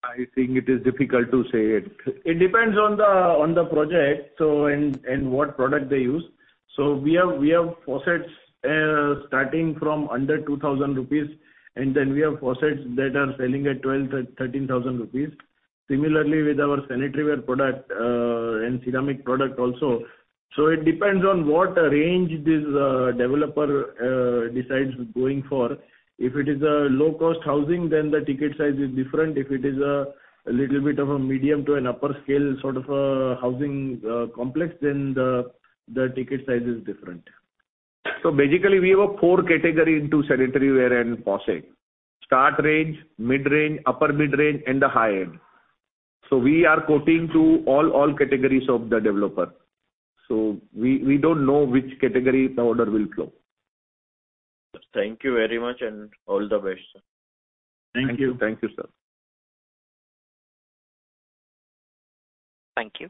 I think it is difficult to say it. It depends on the project, what product they use. We have faucets, starting from under 2,000 rupees, and then we have faucets that are selling at 12,000-13,000 rupees. Similarly with our sanitary ware product, and ceramic product also. It depends on what range this developer decides going for. If it is a low cost housing, then the ticket size is different. If it is a little bit of a medium to an upper scale sort of a housing complex, then the ticket size is different. Basically we have a four category into sanitary ware and faucet: start range, mid-range, upper mid-range and the high end. We are quoting to all categories of the developer. We don't know which category the order will flow. Thank you very much and all the best, sir. Thank you. Thank you, sir. Thank you.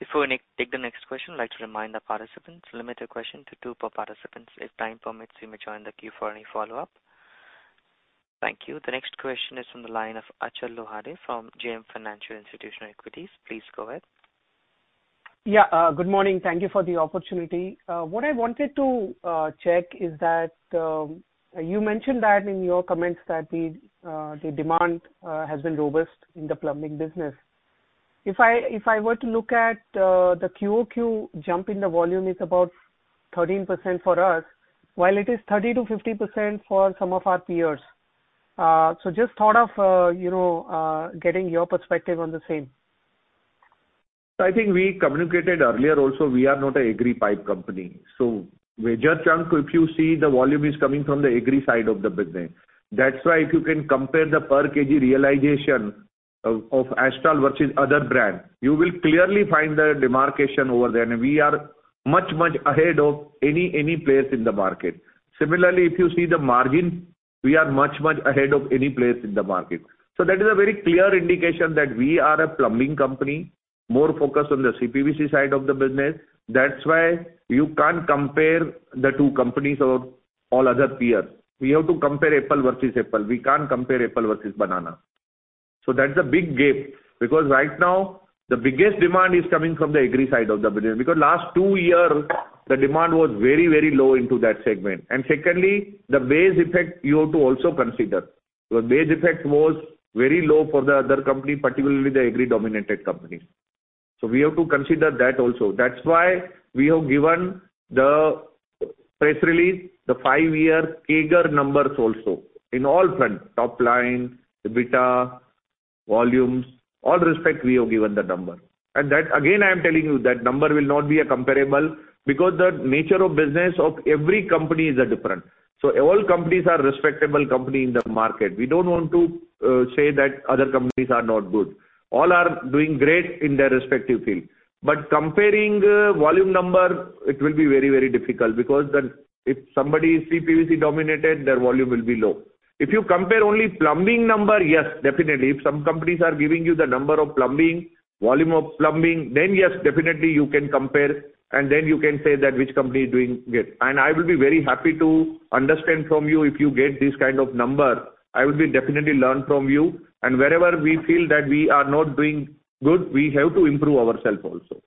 Before we take the next question, I'd like to remind the participants, limit your question to two per participants. If time permits, you may join the queue for any follow-up. Thank you. The next question is from the line of Achal Lohade from JM Financial Institutional Securities. Please go ahead. Yeah, good morning. Thank you for the opportunity. What I wanted to check is that, you mentioned that in your comments that the demand has been robust in the plumbing business. If I were to look at the quarter-over-quarter jump in the volume, it's about 13% for us, while it is 30%-50% for some of our peers. Just thought of, you know, getting your perspective on the same. I think we communicated earlier also, we are not a agri pipe company. Major chunk, if you see the volume is coming from the agri side of the business. That's why if you can compare the per kg realization of Astral versus other brand, you will clearly find the demarcation over there. We are much ahead of any players in the market. Similarly, if you see the margin, we are much ahead of any players in the market. That is a very clear indication that we are a plumbing company, more focused on the CPVC side of the business. That's why you can't compare the two companies or all other peers. We have to compare apple versus apple. We can't compare apple versus banana. That's a big gap, because right now the biggest demand is coming from the agri side of the business. Last two years, the demand was very, very low into that segment. Secondly, the base effect you have to also consider. The base effect was very low for the other company, particularly the agri-dominated companies. We have to consider that also. That's why we have given the press release, the five-year CAGR numbers also in all front, top line, EBITDA, volumes, all respect we have given the number. That again, I am telling you that number will not be a comparable because the nature of business of every company is different. All companies are respectable company in the market. We don't want to say that other companies are not good. All are doing great in their respective field. Comparing volume number, it will be very, very difficult because then if somebody is CPVC dominated, their volume will be low. If you compare only plumbing number, yes, definitely. If some companies are giving you the number of plumbing, volume of plumbing, then yes, definitely you can compare and then you can say that which company is doing good. I will be very happy to understand from you if you get this kind of number. I would be definitely learn from you. Wherever we feel that we are not doing good, we have to improve ourselves also.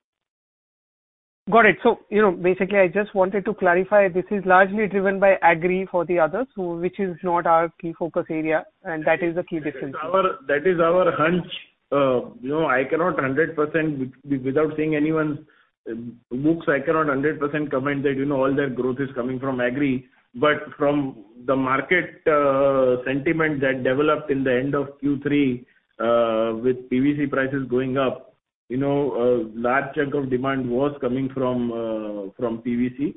Got it. You know, basically, I just wanted to clarify, this is largely driven by agri for the others, so which is not our key focus area, and that is the key difference. That is our hunch. You know, I cannot 100% without seeing anyone's books, I cannot 100% comment that, you know, all their growth is coming from agri. From the market, sentiment that developed in the end of Q3, with PVC prices going up, you know, a large chunk of demand was coming from PVC.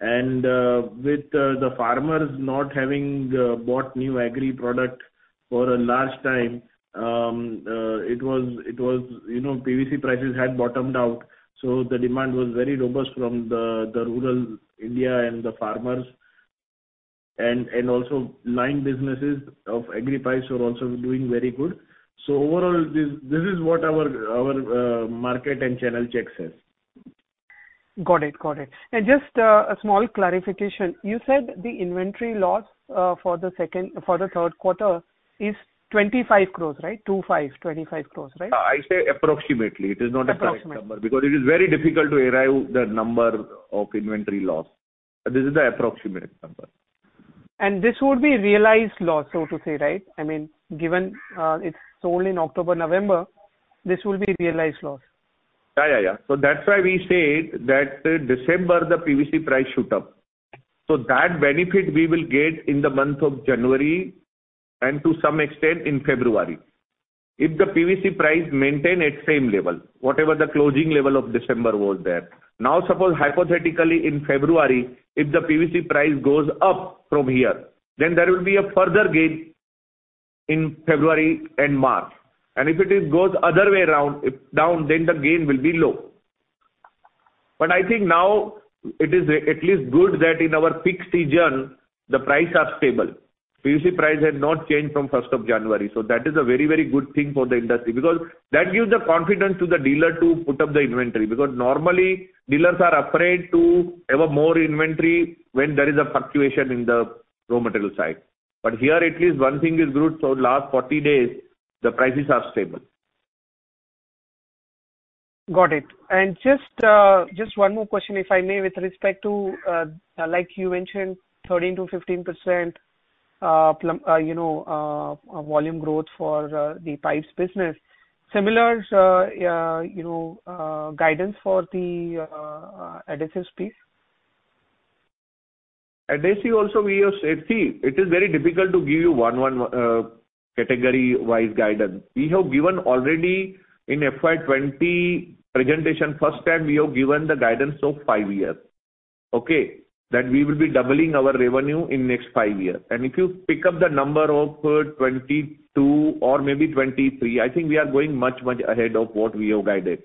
With the farmers not having bought new agri product for a large time, it was, you know, PVC prices had bottomed out, so the demand was very robust from the rural India and the farmers. Also line businesses of agri pipes were also doing very good. Overall, this is what our market and channel check says. Got it. Got it. Just a small clarification. You said the inventory loss for the third quarter is 25 crores, right? Two five, 25 crores, right? I say approximately. It is not a correct number. Approximately. It is very difficult to arrive the number of inventory loss. This is the approximate number. This would be realized loss, so to say, right? I mean, given, it's sold in October, November, this will be realized loss. Yeah, yeah. that's why we say that December the PVC price shoot up. that benefit we will get in the month of January and to some extent in February. If the PVC price maintain its same level, whatever the closing level of December was there. suppose hypothetically in February, if the PVC price goes up from here, then there will be a further gain in February and March. if it is goes other way around, down, then the gain will be low. I think now it is at least good that in our peak season the price are stable. PVC price has not changed from first of January. that is a very, very good thing for the industry because that gives the confidence to the dealer to put up the inventory. Normally dealers are afraid to have a more inventory when there is a fluctuation in the raw material side. Here at least one thing is good, so last 40 days the prices are stable. Got it. Just, just one more question, if I may, with respect to, like you mentioned, 13%-15%, you know, volume growth for the pipes business. Similar, you know, guidance for the adhesives piece? Adhesive also we have said. See, it is very difficult to give you one category-wise guidance. We have given already in FY 20 presentation first time we have given the guidance of 5 years. Okay? That we will be doubling our revenue in next 5 years. If you pick up the number of 22 or maybe 23, I think we are going much, much ahead of what we have guided.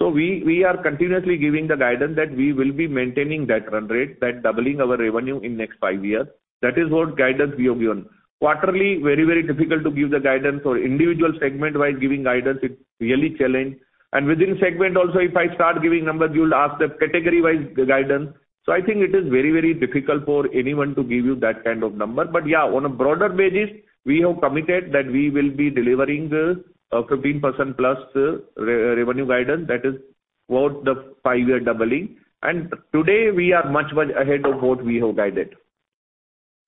We, we are continuously giving the guidance that we will be maintaining that run rate, that doubling our revenue in next 5 years. That is what guidance we have given. Quarterly, very, very difficult to give the guidance or individual segment while giving guidance, it's really challenge. Within segment also, if I start giving numbers you'll ask the category-wise guidance. I think it is very, very difficult for anyone to give you that kind of number. Yeah, on a broader basis, we have committed that we will be delivering 15%+ re-revenue guidance. That is about the 5-year doubling. Today we are much, much ahead of what we have guided.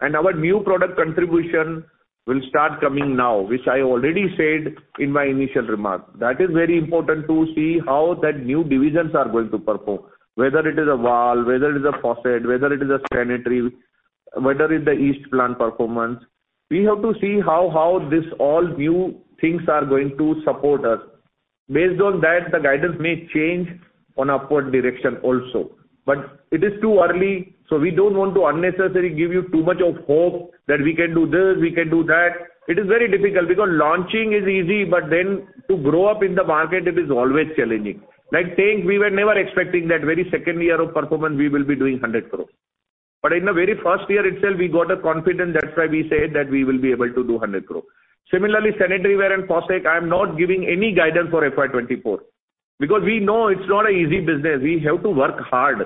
Our new product contribution will start coming now, which I already said in my initial remark. That is very important to see how that new divisions are going to perform, whether it is a valve, whether it is a faucet, whether it is a sanitary, whether it's the East Plant performance. We have to see how this all new things are going to support us. Based on that, the guidance may change on upward direction also. It is too early, so we don't want to unnecessarily give you too much of hope that we can do this, we can do that. It is very difficult because launching is easy, to grow up in the market it is always challenging. Like tank, we were never expecting that very second year of performance we will be doing 100 crore. In the very first year itself we got a confidence, that's why we said that we will be able to do 100 crore. Similarly, sanitary ware and faucet, I'm not giving any guidance for FY 2024 because we know it's not an easy business. We have to work hard.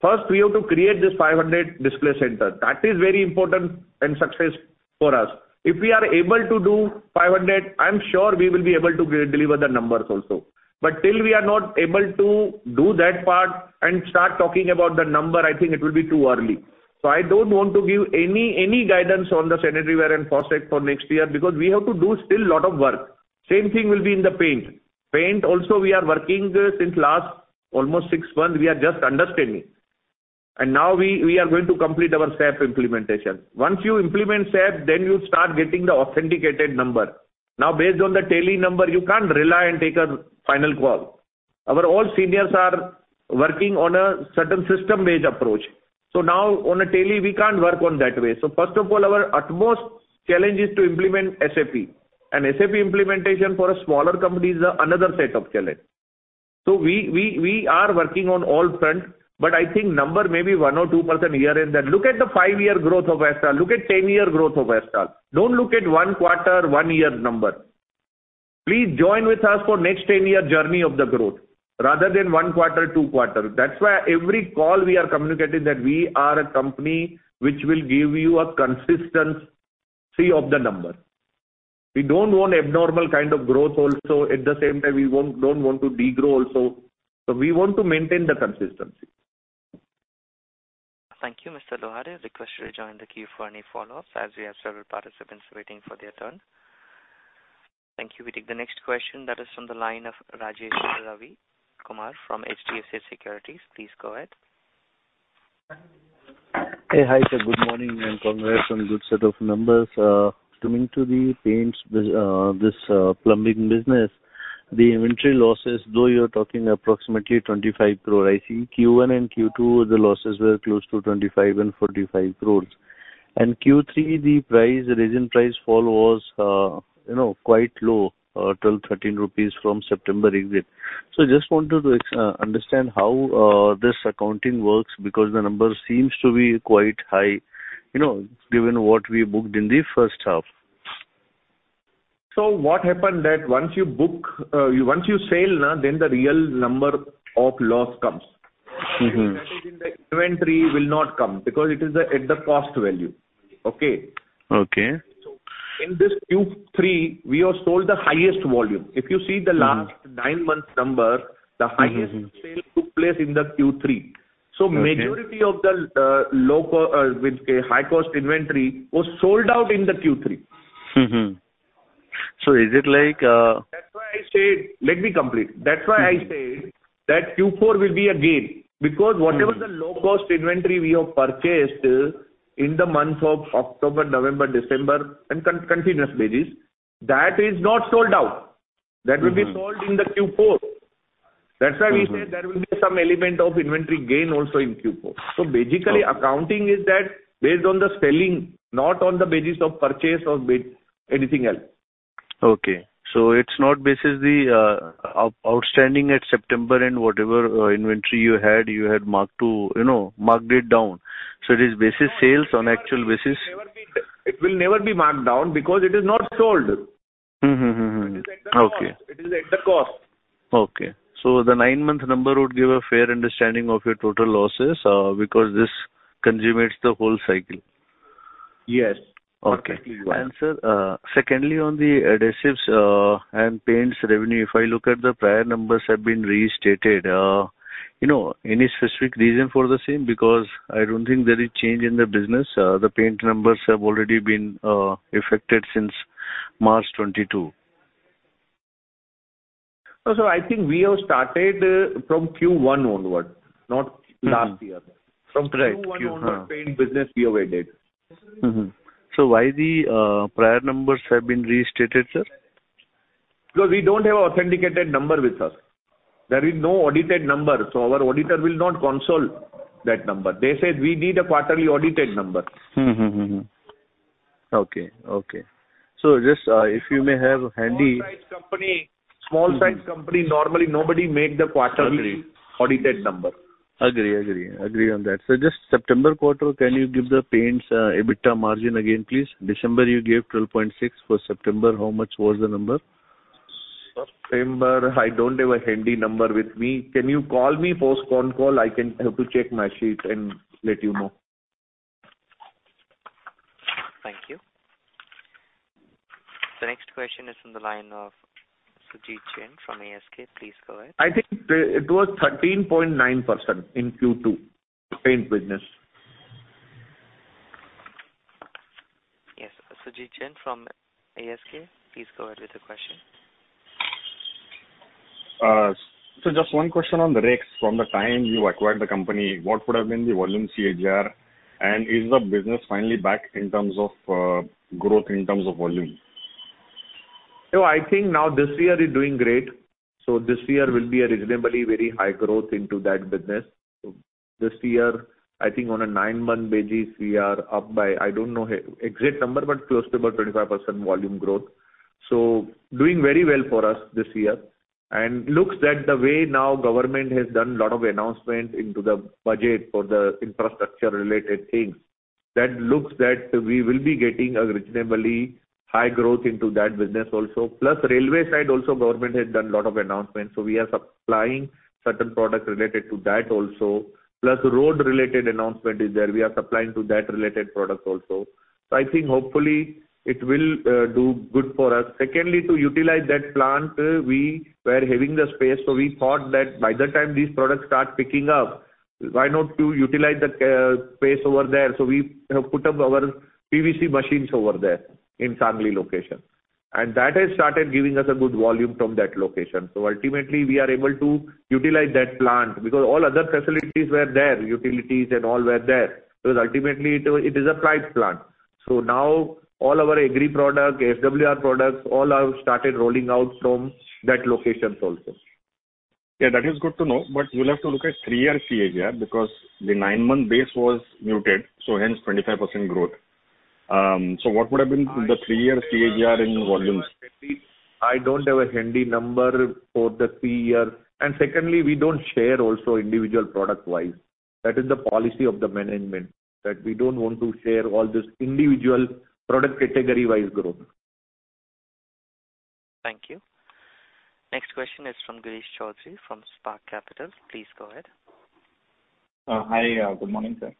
First we have to create this 500 display center. That is very important and success for us. If we are able to do 500, I'm sure we will be able to deliver the numbers also. Till we are not able to do that part and start talking about the number, I think it will be too early. I don't want to give any guidance on the sanitary ware and faucet for next year because we have to do still lot of work. Same thing will be in the paint. Paint also we are working since last almost 6 months, we are just understanding. Now we are going to complete our SAP implementation. Once you implement SAP, then you start getting the authenticated number. Based on the daily number, you can't rely and take a final call. Our all seniors are working on a certain system-based approach. Now on a daily, we can't work on that way. First of all, our utmost challenge is to implement SAP and SAP implementation for a smaller company is another set of challenge. We are working on all fronts, but I think number may be 1% or 2% here and there. Look at the 5-year growth of Esper. Look at 10-year growth of Astral. Don't look at 1 quarter, 1 year number. Please join with us for next 10-year journey of the growth rather than 1 quarter, 2 quarter. That's why every call we are communicating that we are a company which will give you a consistency of the number. We don't want abnormal kind of growth also. At the same time, we don't want to degrow also. We want to maintain the consistency. Thank you, Mr. Lohade. Request you to join the queue for any follow-ups as we have several participants waiting for their turn. Thank you. We take the next question that is on the line of Rajesh Ravikumar from HDFC Securities. Please go ahead. Hey. Hi, sir. Good morning, and congrats on good set of numbers. Coming to this plumbing business, the inventory losses, though you're talking approximately 25 crore, I think Q1 and Q2, the losses were close to 25 crore and 45 crores. Q3, the price, recent price fall was, you know, quite low, 12-13 rupees from September exit. Just wanted to understand how this accounting works because the number seems to be quite high, you know, given what we booked in the first half. What happened that once you book, once you sell, na, then the real number of loss comes. Mm-hmm. Inventory will not come because it is at the cost value. Okay? Okay. In this Q3, we have sold the highest volume. If you see the last 9 months number, the highest sale took place in the Q3. Okay. Majority of the high cost inventory was sold out in the Q3. Mm-hmm. Is it like? Let me complete. That's why I said that Q4 will be a gain because whatever the low cost inventory we have purchased in the months of October, November, December and continuous basis, that is not sold out. Mm-hmm. That will be sold in Q4. Mm-hmm. That's why we said there will be some element of inventory gain also in Q4. Okay. Basically, accounting is that based on the selling, not on the basis of purchase or anything else. Okay. It's not basis the outstanding at September and whatever inventory you had marked to, you know, marked it down. It is basis sales on actual basis? It will never be marked down because it is not sold. Mm-hmm. Mm-hmm. Mm-hmm. Okay. It is at the cost. It is at the cost. Okay. The 9-month number would give a fair understanding of your total losses because this consummates the whole cycle. Yes. Okay. Perfectly well. Sir, secondly, on the adhesives, and paints revenue, if I look at the prior numbers have been restated, you know, any specific reason for the same? Because I don't think there is change in the business. The paint numbers have already been affected since March 2022. No. I think we have started from Q1 onward, not last year. Mm-hmm. Right. Q, huh. From Q1 onward, paint business we avoided. Why the prior numbers have been restated, sir? Because we don't have authenticated number with us. There is no audited number, so our auditor will not console that number. They said we need a quarterly audited number. Mm-hmm. Mm-hmm. Mm-hmm. Okay. Okay. just, if you may have. Small size company, normally nobody make the. Agree. audited number. Agree, agree. Agree on that. Just September quarter, can you give the paints, EBITDA margin again, please? December you gave 12.6%. For September, how much was the number? September, I don't have a handy number with me. Can you call me post con call? I can have to check my sheet and let you know. Thank you. The next question is on the line of Sujit Chen from ASK. Please go ahead. I think it was 13.9% in Q2, paint business. Yes. Sujit Jain from ASK, please go ahead with your question. Just one question on the Rex. From the time you acquired the company, what would have been the volume CAGR? Is the business finally back in terms of growth in terms of volume? I think now this year is doing great. This year will be a reasonably very high growth into that business. This year, I think on a 9-month basis, we are up by, I don't know exact number, but close to about 25% volume growth. Doing very well for us this year. Looks that the way now government has done lot of announcement into the budget for the infrastructure related things, that looks that we will be getting a reasonably high growth into that business also. Railway side also, government has done lot of announcements, we are supplying certain products related to that also. Road related announcement is there. We are supplying to that related products also. I think hopefully it will do good for us. Secondly, to utilize that plant, we were having the space, we thought that by the time these products start picking up, why not to utilize the space over there? We have put up our PVC machines over there in Sangli location. That has started giving us a good volume from that location. Ultimately, we are able to utilize that plant because all other facilities were there, utilities and all were there. Because ultimately, it is a prized plant. Now all our agri product, SWR products, all have started rolling out from that locations also. Yeah, that is good to know. You'll have to look at three-year CAGR because the nine-month base was muted, so hence 25% growth. What would have been the three-year CAGR in volumes? I don't have a handy number for the three year. Secondly, we don't share also individual product-wise. That is the policy of the management, that we don't want to share all this individual product category-wise growth. Thank you. Next question is from Girish Choudhary from Spark Capital. Please go ahead. Hi. Good morning, sir.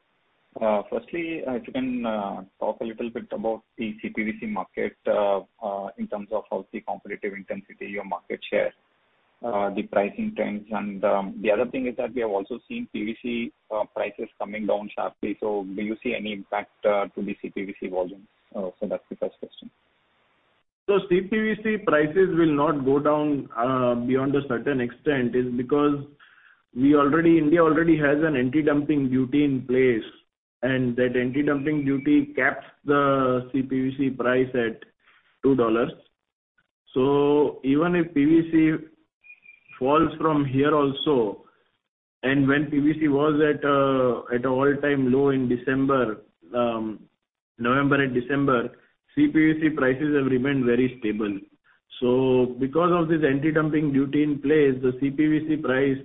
Firstly, if you can talk a little bit about the CPVC market, in terms of how the competitive intensity, your market share, the pricing trends. The other thing is that we have also seen PVC prices coming down sharply. Do you see any impact to the CPVC volumes? That's the first question. CPVC prices will not go down beyond a certain extent is because India already has an anti-dumping duty in place, and that anti-dumping duty caps the CPVC price at $2. Even if PVC falls from here also, and when PVC was at a all-time low in December, November and December, CPVC prices have remained very stable. Because of this anti-dumping duty in place, the CPVC price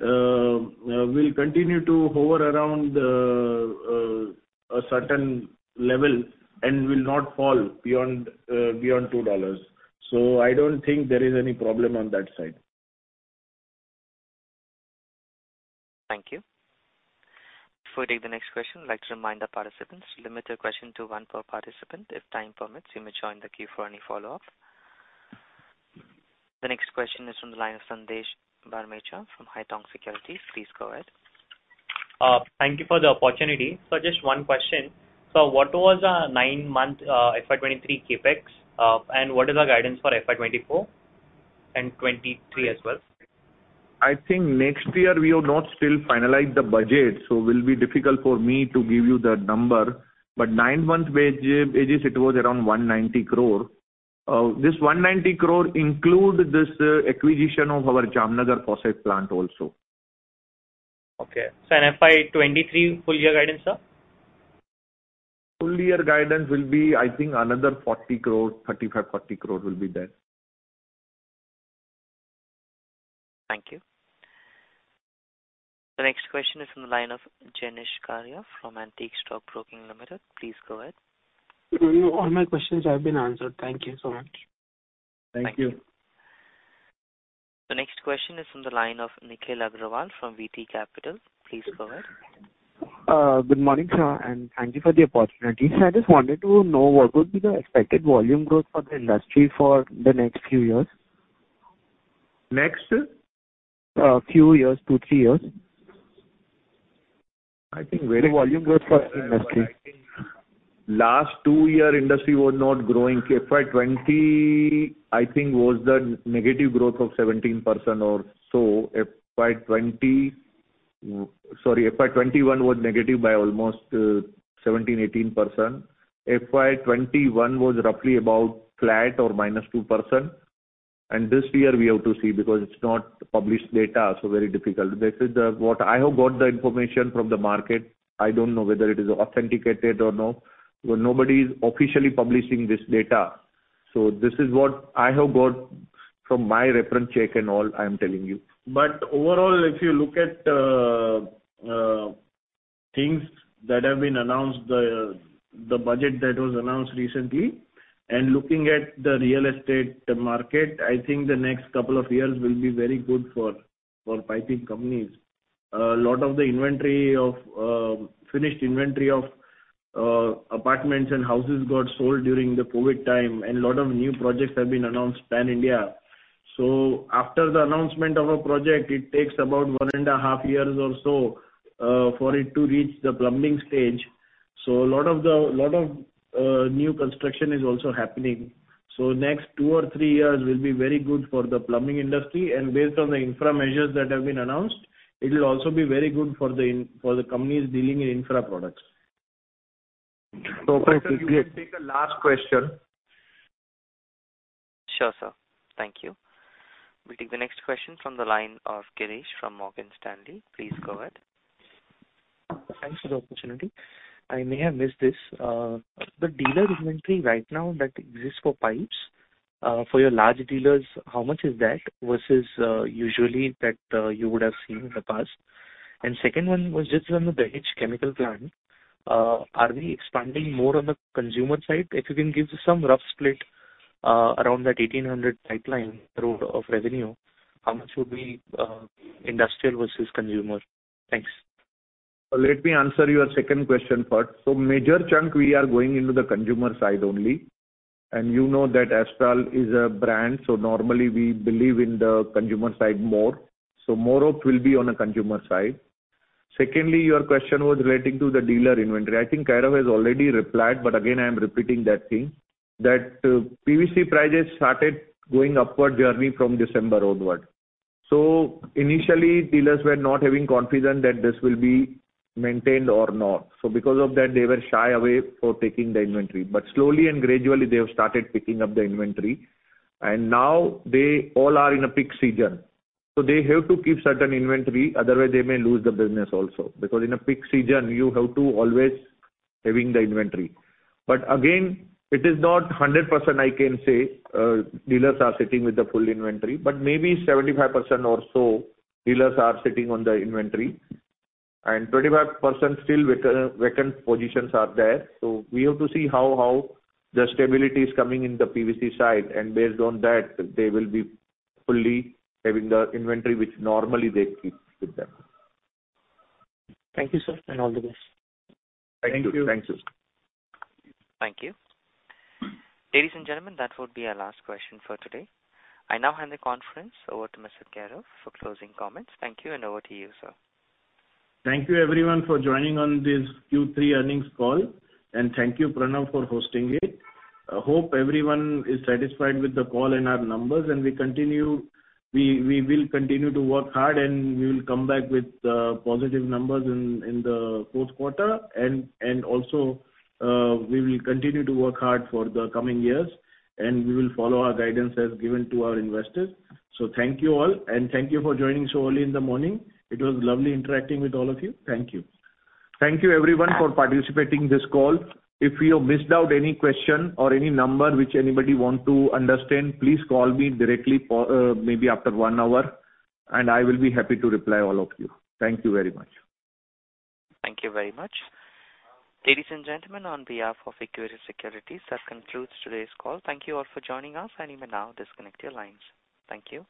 will continue to hover around a certain level and will not fall beyond $2. I don't think there is any problem on that side. Thank you. Before we take the next question, I'd like to remind the participants to limit their question to one per participant. If time permits, you may join the queue for any follow-up. The next question is from the line of Sandesh Barmecha from Haitong Securities. Please go ahead. Thank you for the opportunity. Just one question. What was our nine-month FY 2023 CapEx? And what is our guidance for FY 2024 and 2023 as well? I think next year we have not still finalized the budget, so will be difficult for me to give you the number. Nine-month wages it was around 190 crore. This 190 crore include this acquisition of our Jamnagar faucet plant also. Okay. In FY 23, full year guidance, sir? Full year guidance will be, I think, another 40 crore, 35-40 crore will be there. Thank you. The next question is from the line of Jenish Karia from Antique Stock Broking Limited. Please go ahead. All my questions have been answered. Thank you so much. Thank you. The next question is from the line of Nikhil Agrawal from VT Capital. Please go ahead. Good morning, sir, and thank you for the opportunity. Sir, I just wanted to know what would be the expected volume growth for the industry for the next few years. Next? Few years, two, three years. I think. Volume growth for industry. Last 2 year industry was not growing. FY 20, I think, was the negative growth of 17% or so. FY 20. Sorry, FY 21 was negative by almost 17%-18%. FY 21 was roughly about flat or minus 2%. This year we have to see because it's not published data, so very difficult. This is what I have got the information from the market, I don't know whether it is authenticated or not. Nobody is officially publishing this data. This is what I have got from my reference check and all, I am telling you. Overall, if you look at things that have been announced, the budget that was announced recently, and looking at the real estate market, I think the next couple of years will be very good for piping companies. A lot of the inventory of finished inventory of apartments and houses got sold during the COVID time, and a lot of new projects have been announced pan-India. After the announcement of a project, it takes about 1.5 years or so for it to reach the plumbing stage. A lot of new construction is also happening. Next 2 or 3 years will be very good for the plumbing industry. Based on the infra measures that have been announced, it will also be very good for the companies dealing in infra products. Okay. Sir, we will take the last question. Sure, sir. Thank you. We'll take the next question from the line of Girish from Morgan Stanley. Please go ahead. Thanks for the opportunity. I may have missed this. The dealer inventory right now that exists for pipes, for your large dealers, how much is that versus, usually that, you would have seen in the past? Second one was just on the Dahej chemical plant. Are we expanding more on the consumer side? If you can give some rough split, around that 1,800 pipeline road of revenue, how much would be, industrial versus consumer? Thanks. Let me answer your second question first. Major chunk we are going into the consumer side only. You know that Astral is a brand, normally we believe in the consumer side more. More of will be on a consumer side. Secondly, your question was relating to the dealer inventory. I think Kairav has already replied, but again, I am repeating that thing, that PVC prices started going upward journey from December onward. Initially, dealers were not having confidence that this will be maintained or not. Because of that, they were shy away for taking the inventory. Slowly and gradually, they have started picking up the inventory, now they all are in a peak season, so they have to keep certain inventory. Otherwise, they may lose the business also, because in a peak season, you have to always having the inventory. Again, it is not 100% I can say, dealers are sitting with the full inventory, but maybe 75% or so dealers are sitting on the inventory and 25% still vacant positions are there. We have to see how the stability is coming in the PVC side, and based on that, they will be fully having the inventory which normally they keep with them. Thank you, sir, and all the best. Thank you. Thank you. Thanks, sir. Thank you. Ladies and gentlemen, that would be our last question for today. I now hand the conference over to Mr. Kairav for closing comments. Thank you and over to you, sir. Thank you everyone for joining on this Q3 earnings call. Thank you, Pranav, for hosting it. I hope everyone is satisfied with the call and our numbers and we will continue to work hard and we will come back with positive numbers in the fourth quarter. Also, we will continue to work hard for the coming years, and we will follow our guidance as given to our investors. Thank you all, and thank you for joining so early in the morning. It was lovely interacting with all of you. Thank you. Thank you everyone for participating this call. If you missed out any question or any number which anybody want to understand, please call me directly maybe after 1 hour and I will be happy to reply all of you. Thank you very much. Thank you very much. Ladies and gentlemen, on behalf of Equirus Securities, that concludes today's call. Thank you all for joining us. You may now disconnect your lines. Thank you.